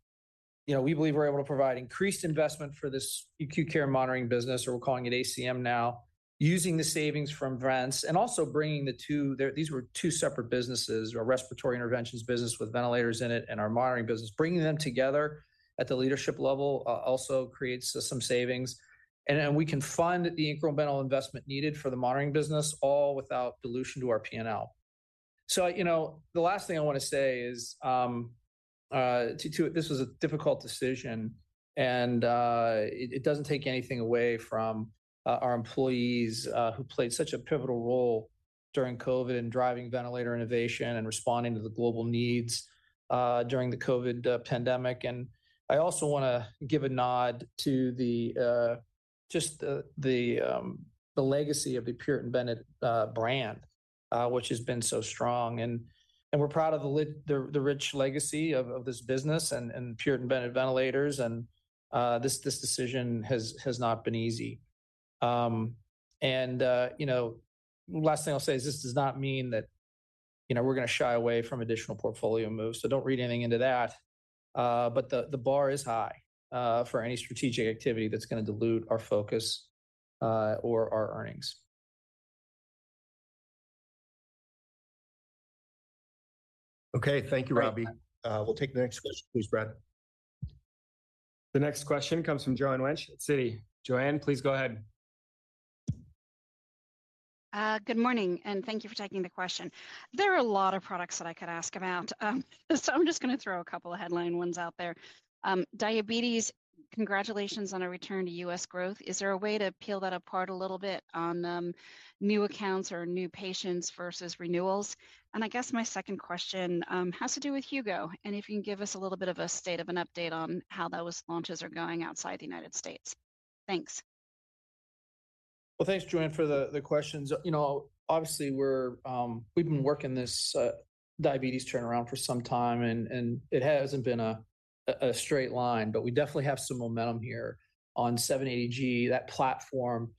you know, we believe we're able to provide increased investment for this acute care monitoring business, or we're calling it ACM now, using the savings from vents and also bringing the two. There, these were two separate businesses, our respiratory interventions business with ventilators in it and our monitoring business. Bringing them together at the leadership level, also creates us some savings, and then we can fund the incremental investment needed for the monitoring business, all without dilution to our P&L. So, you know, the last thing I want to say is, This was a difficult decision, and, it doesn't take anything away from, our employees, who played such a pivotal role during COVID in driving ventilator innovation and responding to the global needs, during the COVID, pandemic. And I also wanna give a nod to the legacy of the Puritan Bennett brand, which has been so strong and, and we're proud of the rich legacy of this business and Puritan Bennett ventilators, and, this decision has not been easy. You know, last thing I'll say is, this does not mean that, you know, we're gonna shy away from additional portfolio moves, so don't read anything into that. But the bar is high for any strategic activity that's gonna dilute our focus or our earnings. Okay, thank you, Robbie. Great. We'll take the next question, please, Brad. The next question comes from Joanne Wuensch at Citi. Joanne, please go ahead. Good morning, and thank you for taking the question. There are a lot of products that I could ask about, so I'm just gonna throw a couple of headline ones out there. Diabetes, congratulations on a return to U.S. growth. Is there a way to peel that apart a little bit on, new accounts or new patients versus renewals? And I guess my second question, has to do with Hugo, and if you can give us a little bit of a state of an update on how those launches are going outside the United States. Thanks. Well, thanks, Joanne, for the questions. You know, obviously, we're... We've been working this diabetes turnaround for some time, and it hasn't been a straight line, but we definitely have some momentum here on 780G, that platform,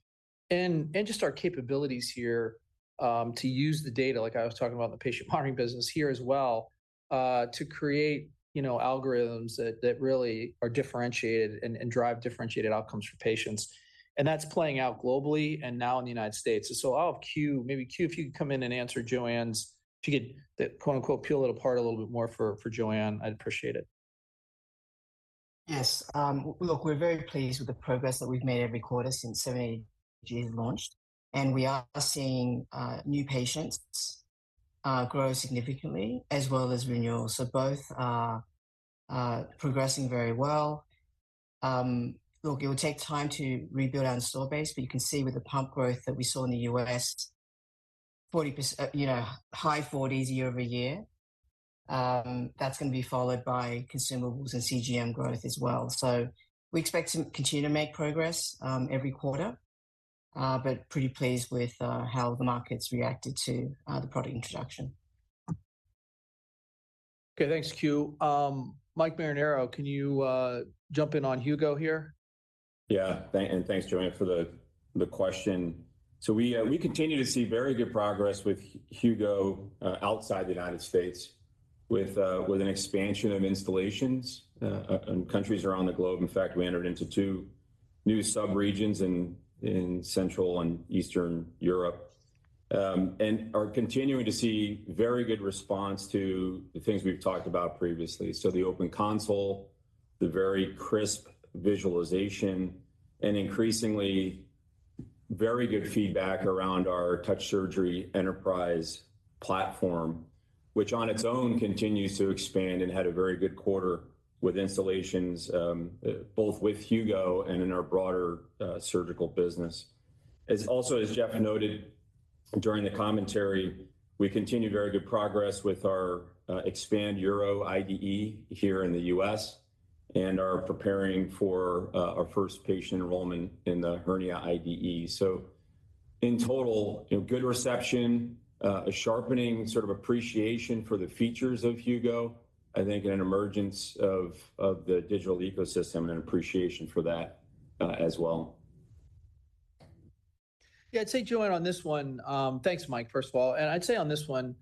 and just our capabilities here to use the data, like I was talking about in the patient monitoring business, here as well, to create, you know, algorithms that really are differentiated and drive differentiated outcomes for patients. And that's playing out globally, and now in the United States. So I'll have Que, if you'd come in and answer Joanne's... If you could, quote, unquote, "peel it apart" a little bit more for Joanne, I'd appreciate it. Yes, look, we're very pleased with the progress that we've made every quarter since 780G was launched, and we are seeing new patients grow significantly as well as renewals. So both are progressing very well. Look, it will take time to rebuild our install base, but you can see with the pump growth that we saw in the U.S., 40% - you know, high 40s year-over-year. That's gonna be followed by consumables and CGM growth as well. So we expect to continue to make progress every quarter, but pretty pleased with how the market's reacted to the product introduction. Okay, thanks, Que. Mike Marinaro, can you jump in on Hugo here? Yeah, thanks, Joanne, for the question. So we continue to see very good progress with Hugo outside the United States with an expansion of installations in countries around the globe. In fact, we entered into two new sub-regions in Central and Eastern Europe. And are continuing to see very good response to the things we've talked about previously. So the open console, the very crisp visualization, and increasingly very good feedback around our Touch Surgery enterprise platform, which on its own continues to expand and had a very good quarter with installations both with Hugo and in our broader surgical business. As also as Geoff noted during the commentary, we continue very good progress with our Expand URO IDE here in the U.S., and are preparing for our first patient enrollment in the hernia IDE. So in total, you know, good reception, a sharpening sort of appreciation for the features of Hugo, I think, and an emergence of the digital ecosystem and an appreciation for that, as well. Yeah, I'd say, Joanne, on this one. Thanks, Mike, first of all. I'd say on this one,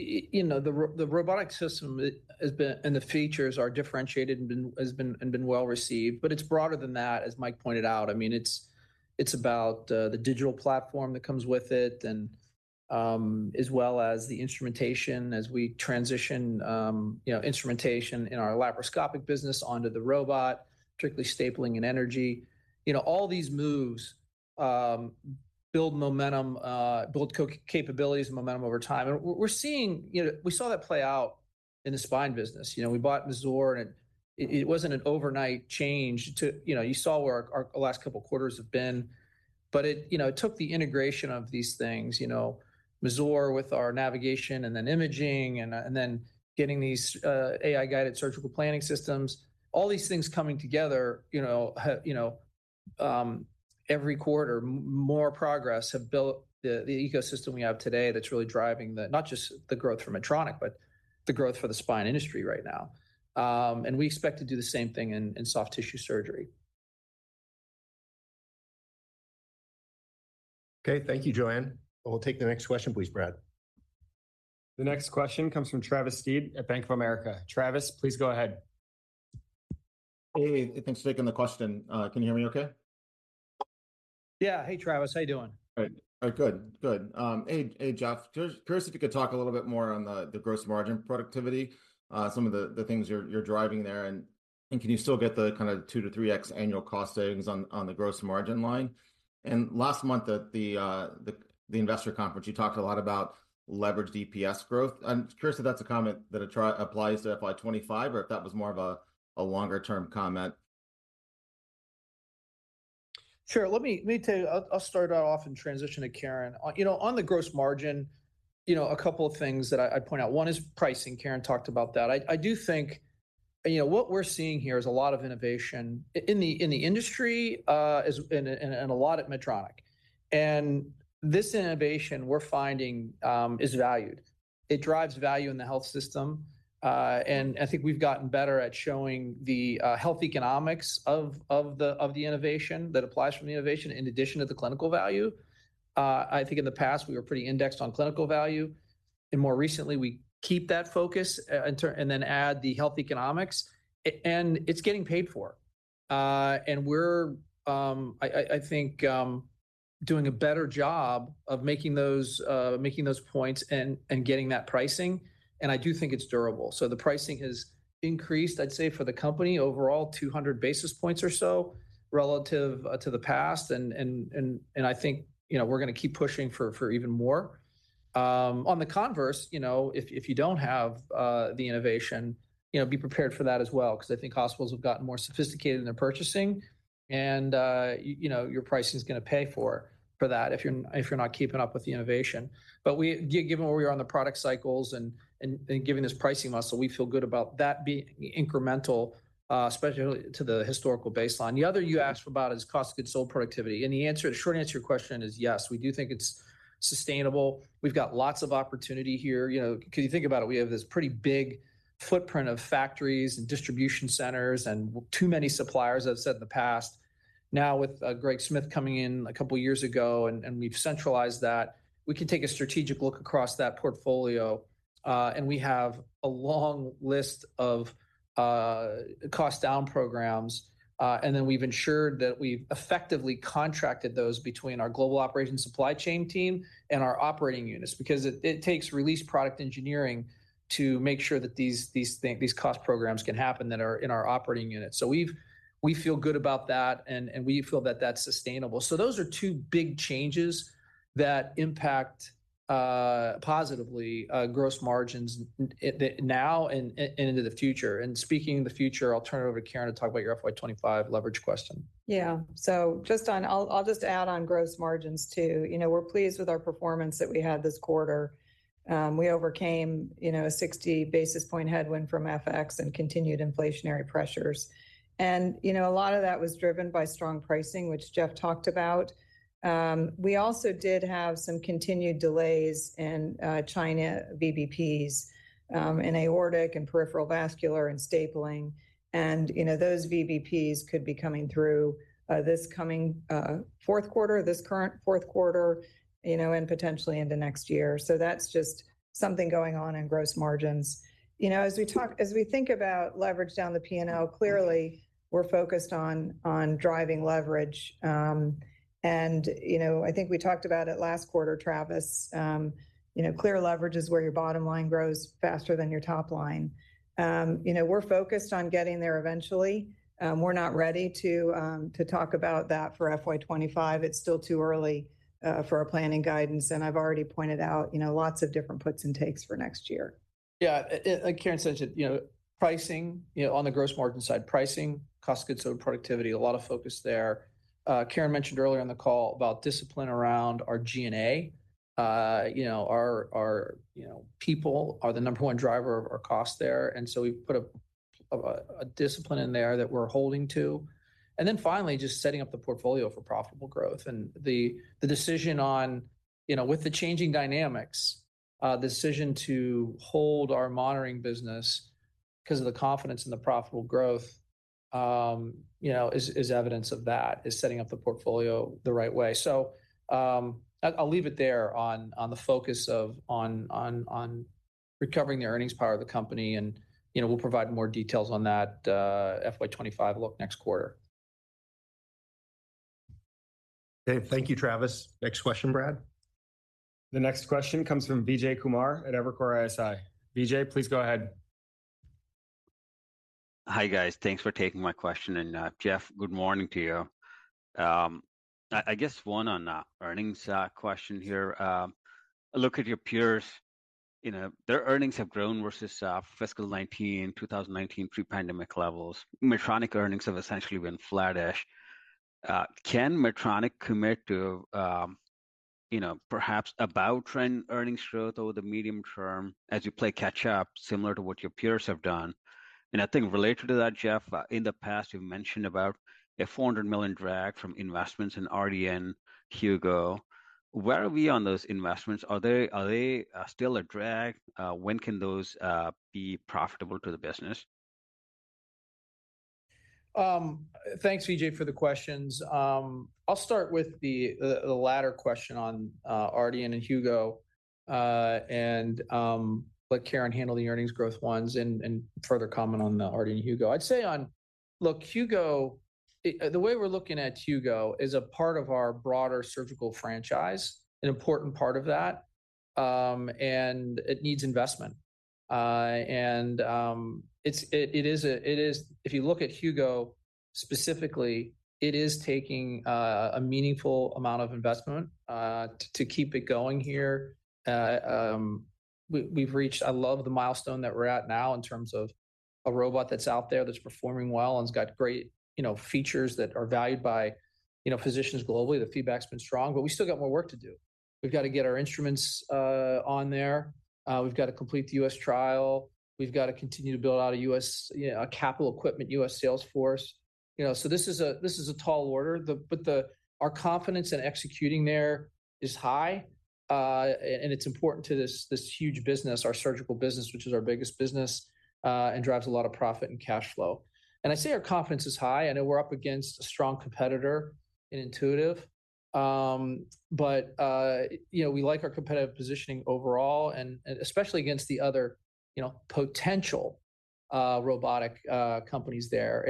you know, the robotic system has been well-received, and the features are differentiated. But it's broader than that, as Mike pointed out. I mean, it's about the digital platform that comes with it and as well as the instrumentation as we transition, you know, instrumentation in our laparoscopic business onto the robot, particularly stapling and energy. You know, all these moves build momentum, build capabilities and momentum over time. And we're seeing. You know, we saw that play out in the spine business. You know, we bought Mazor, and it wasn't an overnight change to. You know, you saw where our last couple of quarters have been. But it, you know, it took the integration of these things, you know, Mazor with our navigation and then imaging, and then getting these AI-guided surgical planning systems. All these things coming together, you know, every quarter more progress have built the ecosystem we have today that's really driving the not just the growth for Medtronic, but the growth for the spine industry right now. And we expect to do the same thing in soft tissue surgery. Okay, thank you, Joanne. We'll take the next question, please, Brad. The next question comes from Travis Steed at Bank of America. Travis, please go ahead. Hey, thanks for taking the question. Can you hear me okay? Yeah. Hey, Travis. How you doing? Good. Good, good. Hey, hey, Geoff, curious if you could talk a little bit more on the gross margin productivity, some of the things you're driving there. And can you still get the kind of 2x-3x annual cost savings on the gross margin line? And last month, at the investor conference, you talked a lot about leverage EPS growth. I'm curious if that's a comment that applies to FY 2025 or if that was more of a longer-term comment. Sure. Let me tell you. I'll start off and transition to Karen. You know, on the gross margin, you know, a couple of things that I'd point out. One is pricing, Karen talked about that. I do think, you know, what we're seeing here is a lot of innovation in the industry, and a lot at Medtronic. And this innovation, we're finding, is valued. It drives value in the health system. And I think we've gotten better at showing the health economics of the innovation that applies from the innovation, in addition to the clinical value. I think in the past, we were pretty indexed on clinical value, and more recently, we keep that focus, and then add the health economics. And it's getting paid for. And we're doing a better job of making those points and getting that pricing, and I do think it's durable. So the pricing has increased, I'd say, for the company overall, 200 basis points or so relative to the past. And I think, you know, we're gonna keep pushing for even more. On the converse, you know, if you don't have the innovation, you know, be prepared for that as well, because I think hospitals have gotten more sophisticated in their purchasing. You know, your pricing is gonna pay for that if you're not keeping up with the innovation. But we given where we are on the product cycles and given this pricing muscle, we feel good about that being incremental, especially to the historical baseline. The other you asked about is cost of goods sold productivity, and the answer, the short answer to your question is yes, we do think it's sustainable. We've got lots of opportunity here. You know, if you think about it, we have this pretty big footprint of factories and distribution centers, and too many suppliers, I've said in the past. Now, with Greg Smith coming in a couple of years ago, and we've centralized that, we can take a strategic look across that portfolio. And we have a long list of cost down programs, and then we've ensured that we've effectively contracted those between our global operations supply chain team and our operating units. Because it takes release product engineering to make sure that these things, these cost programs can happen that are in our operating units. So we feel good about that, and we feel that that's sustainable. So those are two big changes that impact positively gross margins now and into the future. And speaking of the future, I'll turn it over to Karen to talk about your FY 2025 leverage question. Yeah. So just on—I'll, I'll just add on gross margins, too. You know, we're pleased with our performance that we had this quarter. We overcame, you know, a 60 basis point headwind from FX and continued inflationary pressures. And, you know, a lot of that was driven by strong pricing, which Geoff talked about. We also did have some continued delays in China VBPs in aortic and peripheral vascular and stapling. And, you know, those VBPs could be coming through this coming fourth quarter, this current fourth quarter, you know, and potentially into next year. So that's just something going on in gross margins. You know, as we talk—as we think about leverage down the P&L, clearly, we're focused on driving leverage. You know, I think we talked about it last quarter, Travis, you know, clear leverage is where your bottom line grows faster than your top line. You know, we're focused on getting there eventually. We're not ready to talk about that for FY 2025. It's still too early for our planning guidance, and I've already pointed out, you know, lots of different puts and takes for next year. Yeah. Like Karen said, you know, pricing, you know, on the gross margin side, pricing, cost of goods, over productivity, a lot of focus there. Karen mentioned earlier in the call about discipline around our G&A. You know, our people are the number one driver of our cost there, and so we've put a discipline in there that we're holding to. And then finally, just setting up the portfolio for profitable growth. And the decision on, you know, with the changing dynamics, the decision to hold our monitoring business, 'cause of the confidence and the profitable growth, you know, is evidence of that, is setting up the portfolio the right way. So, I'll leave it there on the focus of recovering the earnings power of the company, and, you know, we'll provide more details on that, FY 2025 look next quarter. Okay. Thank you, Travis. Next question, Brad. The next question comes from Vijay Kumar at Evercore ISI. Vijay, please go ahead. Hi, guys. Thanks for taking my question, and, Geoff, good morning to you. I guess one on earnings question here. A look at your peers, you know, their earnings have grown versus, fiscal 2019 pre-pandemic levels. Medtronic earnings have essentially been flattish. Can Medtronic commit to, you know, perhaps above-trend earnings growth over the medium term as you play catch-up, similar to what your peers have done? And I think related to that, Geoff, in the past, you've mentioned about a $400 million drag from investments in Ardian, Hugo. Where are we on those investments? Are they still a drag? When can those be profitable to the business? Thanks, Vijay, for the questions. I'll start with the latter question on Ardian and Hugo, and let Karen handle the earnings growth ones and further comment on the Ardian and Hugo. I'd say on... Look, Hugo, the way we're looking at Hugo is a part of our broader surgical franchise, an important part of that, and it needs investment. And it's, it is a, it is- if you look at Hugo specifically, it is taking a meaningful amount of investment to keep it going here. We've reached... I love the milestone that we're at now in terms of a robot that's out there, that's performing well, and it's got great, you know, features that are valued by, you know, physicians globally. The feedback's been strong, but we still got more work to do. We've got to get our instruments on there. We've got to complete the U.S. trial. We've got to continue to build out a U.S., you know, a capital equipment U.S. sales force. You know, so this is a tall order, but our confidence in executing there is high. And it's important to this, this huge business, our surgical business, which is our biggest business, and drives a lot of profit and cash flow. I say our confidence is high. I know we're up against a strong competitor in Intuitive. But you know, we like our competitive positioning overall, and especially against the other, you know, potential robotic companies there.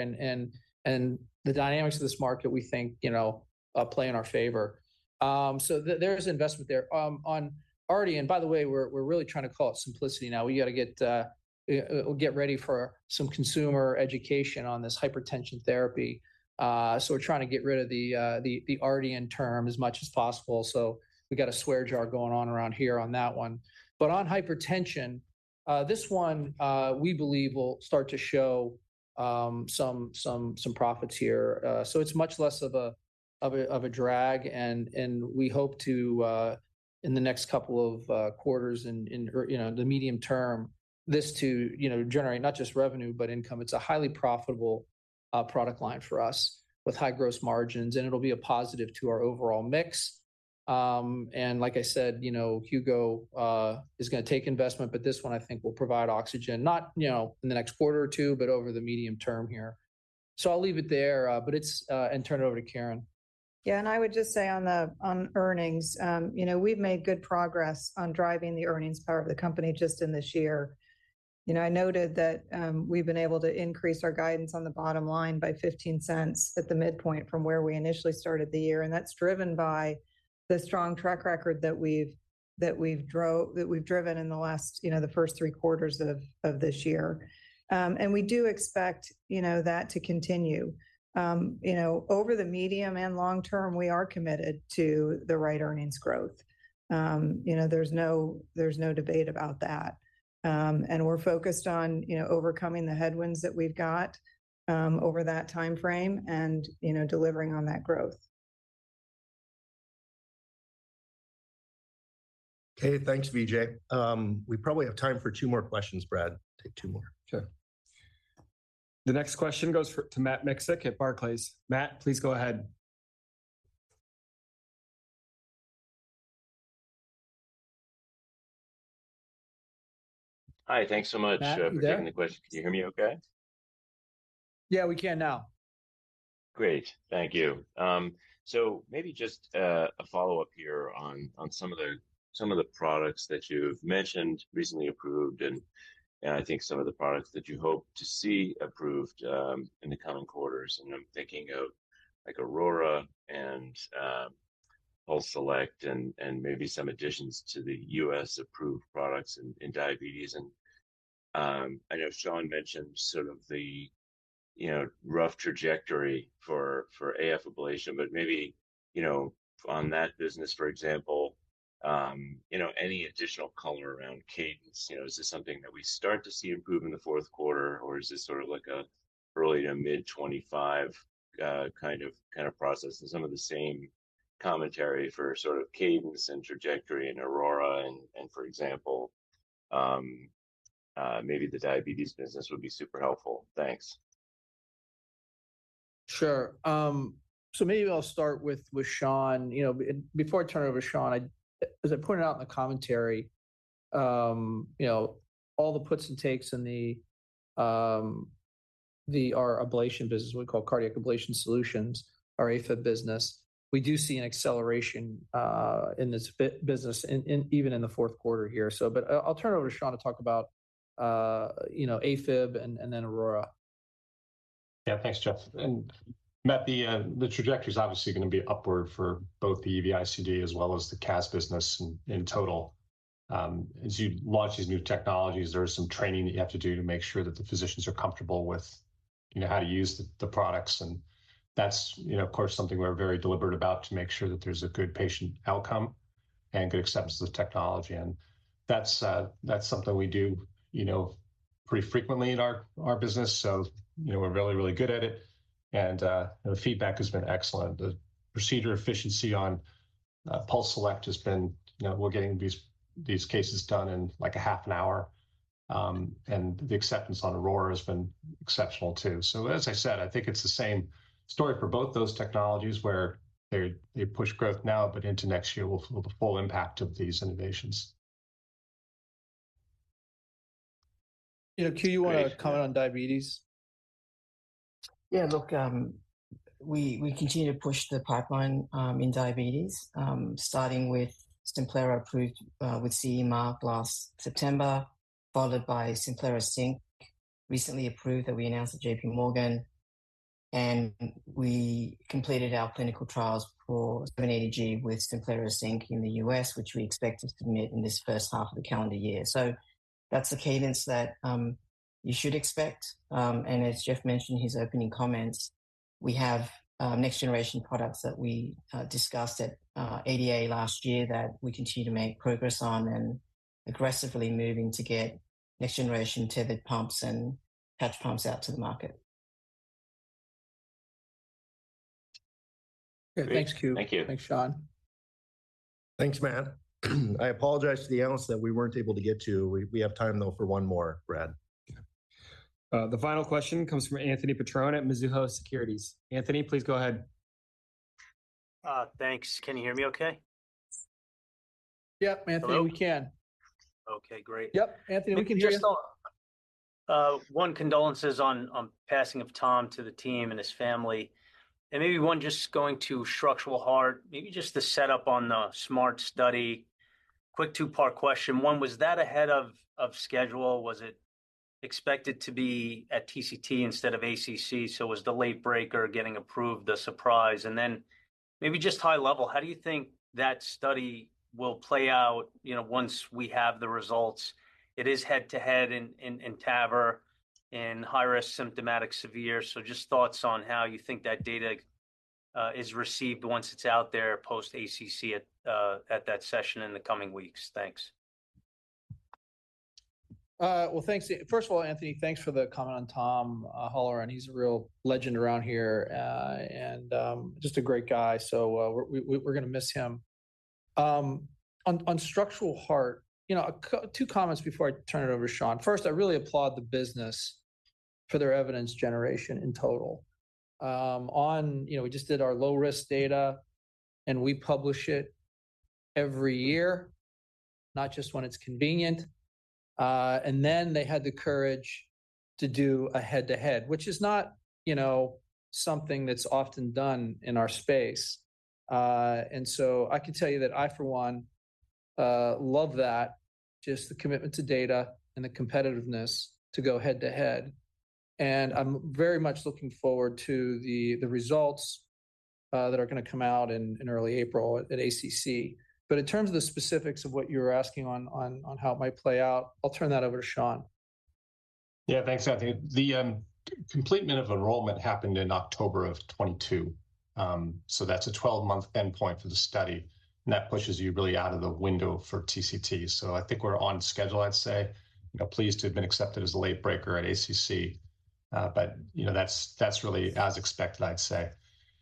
The dynamics of this market, we think, you know, play in our favor. So there is investment there. On Ardian—and by the way, we're really trying to call it Symplicity now. We gotta get ready for some consumer education on this hypertension therapy. So we're trying to get rid of the Ardian term as much as possible, so we've got a swear jar going on around here on that one. But on hypertension, this one, we believe will start to show some profits here. So it's much less of a drag, and we hope to, in the next couple of quarters or, you know, in the medium term, this to, you know, generate not just revenue, but income. It's a highly profitable, product line for us, with high gross margins, and it'll be a positive to our overall mix. Like I said, you know, Hugo is gonna take investment, but this one, I think, will provide oxygen, not, you know, in the next quarter or two, but over the medium term here. So I'll leave it there, but it's, and turn it over to Karen. Yeah, and I would just say on the earnings, you know, we've made good progress on driving the earnings part of the company just in this year. You know, I noted that, we've been able to increase our guidance on the bottom line by $0.15 at the midpoint from where we initially started the year, and that's driven by the strong track record that we've driven in the last, you know, the first three quarters of this year. And we do expect, you know, that to continue. You know, over the medium and long term, we are committed to the right earnings growth. You know, there's no debate about that. And we're focused on, you know, overcoming the headwinds that we've got, over that timeframe and, you know, delivering on that growth. Okay, thanks, Vijay. We probably have time for two more questions, Brad. Take two more. Sure. The next question goes to Matt Miksic at Barclays. Matt, please go ahead. Hi, thanks so much- Matt, you there? for taking the question. Can you hear me okay? Yeah, we can now. Great. Thank you. So maybe just a follow-up here on some of the products that you've mentioned, recently approved, and I think some of the products that you hope to see approved in the coming quarters. And I'm thinking of, like, Aurora and PulseSelect and maybe some additions to the U.S.-approved products in diabetes. And I know Sean mentioned sort of the, you know, rough trajectory for AF ablation, but maybe, you know, on that business, for example, you know, any additional color around cadence? You know, is this something that we start to see improve in the fourth quarter, or is this sort of like an early to mid-2025 kind of process? Some of the same commentary for sort of cadence and trajectory in Aurora and, for example, maybe the diabetes business would be super helpful. Thanks. Sure. So maybe I'll start with Sean. You know, and before I turn it over to Sean, I, as I pointed out in the commentary, you know, all the puts and takes in our ablation business, we call Cardiac Ablation Solutions, our AFib business. We do see an acceleration in this business in even the fourth quarter here. But I'll turn it over to Sean to talk about, you know, AFib and then Aurora. Yeah. Thanks, Geoff. And Matt, the trajectory is obviously gonna be upward for both the EV-ICD as well as the CAS business in total. As you launch these new technologies, there is some training that you have to do to make sure that the physicians are comfortable with, you know, how to use the products. And that's, you know, of course, something we're very deliberate about to make sure that there's a good patient outcome and good acceptance of the technology. And that's something we do, you know, pretty frequently in our business, so, you know, we're really, really good at it, and the feedback has been excellent. The procedure efficiency on PulseSelect has been... You know, we're getting these cases done in, like, a half an hour. And the acceptance on Aurora has been exceptional, too. As I said, I think it's the same story for both those technologies, where they push growth now, but into next year, we'll feel the full impact of these innovations. You know, Que- Great... do you wanna comment on diabetes? Yeah, look, we continue to push the pipeline in diabetes, starting with Simplera, approved with CE Mark last September, followed by Simplera Sync, recently approved, that we announced at JPMorgan. And we completed our clinical trials for 780G with Simplera Sync in the U.S., which we expect to submit in this first half of the calendar year. So that's the cadence that you should expect. And as Geoff mentioned in his opening comments, we have next-generation products that we discussed at ADA last year that we continue to make progress on and aggressively moving to get next-generation tethered pumps and patch pumps out to the market. Okay. Thanks, Que. Great. Thank you. Thanks, Sean. Thanks, Matt. I apologize to the analysts that we weren't able to get to. We have time, though, for one more, Brad. The final question comes from Anthony Petrone at Mizuho Securities. Anthony, please go ahead. Thanks. Can you hear me okay? Yep, Anthony, we can. Hello? Okay, great. Yep, Anthony, we can hear you. Just one, condolences on passing of Tom to the team and his family. And maybe one just going to structural heart, maybe just the setup on the SMART Trial. Quick two-part question: One, was that ahead of schedule? Was it expected to be at TCT instead of ACC? So was the late breaker getting approved a surprise? And then, maybe just high level, how do you think that study will play out, you know, once we have the results? It is head-to-head in TAVR, in high-risk, symptomatic, severe, so just thoughts on how you think that data is received once it's out there post-ACC at that session in the coming weeks. Thanks. Well, thanks. First of all, Anthony, thanks for the comment on Tom Holloran. He's a real legend around here, and just a great guy, so we're gonna miss him. On structural heart, you know, two comments before I turn it over to Sean. First, I really applaud the business for their evidence generation in total. You know, we just did our low-risk data, and we publish it every year... not just when it's convenient. And then they had the courage to do a head-to-head, which is not, you know, something that's often done in our space. And so I can tell you that I, for one, love that, just the commitment to data and the competitiveness to go head-to-head. I'm very much looking forward to the results that are gonna come out in early April at ACC. But in terms of the specifics of what you're asking on how it might play out, I'll turn that over to Sean. Yeah, thanks, Anthony. The completion of enrollment happened in October of 2022. So that's a 12-month endpoint for the study, and that pushes you really out of the window for TCT. So I think we're on schedule, I'd say. You know, pleased to have been accepted as a late breaker at ACC. But, you know, that's really as expected, I'd say.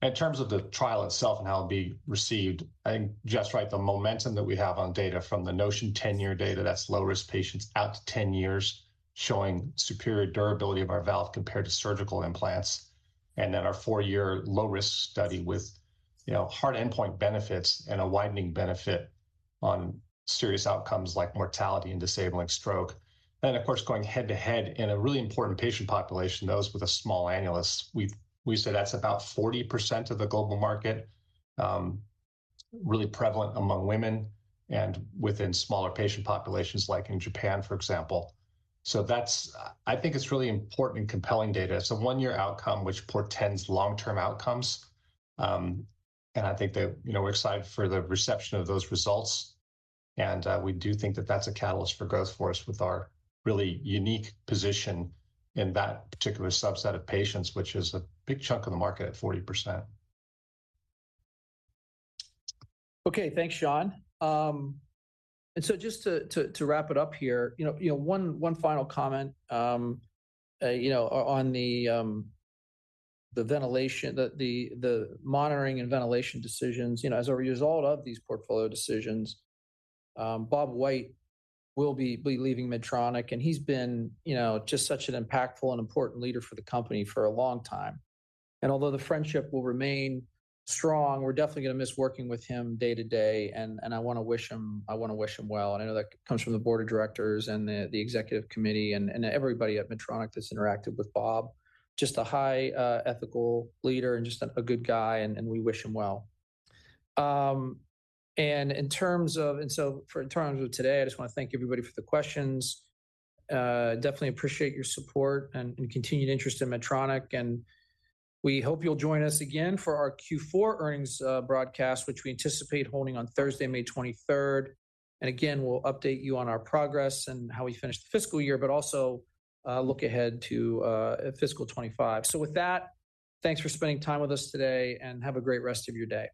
In terms of the trial itself and how it'll be received, I think just right, the momentum that we have on data from the NOTION 10-year data, that's low-risk patients out to 10 years, showing superior durability of our valve compared to surgical implants. And then our four-year low-risk study with, you know, hard endpoint benefits and a widening benefit on serious outcomes like mortality and disabling stroke. And then, of course, going head-to-head in a really important patient population, those with a small annulus. We say that's about 40% of the global market, really prevalent among women and within smaller patient populations, like in Japan, for example. So that's. I think it's really important and compelling data. It's a one-year outcome, which portends long-term outcomes. And I think that, you know, we're excited for the reception of those results, and we do think that that's a catalyst for growth for us with our really unique position in that particular subset of patients, which is a big chunk of the market at 40%. Okay. Thanks, Sean. And so just to wrap it up here, you know, you know, one final comment, you know, on the ventilation, the monitoring and ventilation decisions. You know, as a result of these portfolio decisions, Bob White will be leaving Medtronic, and he's been, you know, just such an impactful and important leader for the company for a long time. And although the friendship will remain strong, we're definitely gonna miss working with him day to day, and I wanna wish him- I wanna wish him well. And I know that comes from the board of directors and the executive committee and everybody at Medtronic that's interacted with Bob. Just a high ethical leader and just a good guy, and we wish him well. And in terms of... And so, in terms of today, I just wanna thank everybody for the questions. Definitely appreciate your support and and continued interest in Medtronic, and we hope you'll join us again for our Q4 earnings broadcast, which we anticipate holding on Thursday, May 23. And again, we'll update you on our progress and how we finish the fiscal year, but also look ahead to fiscal 2025. So with that, thanks for spending time with us today, and have a great rest of your day.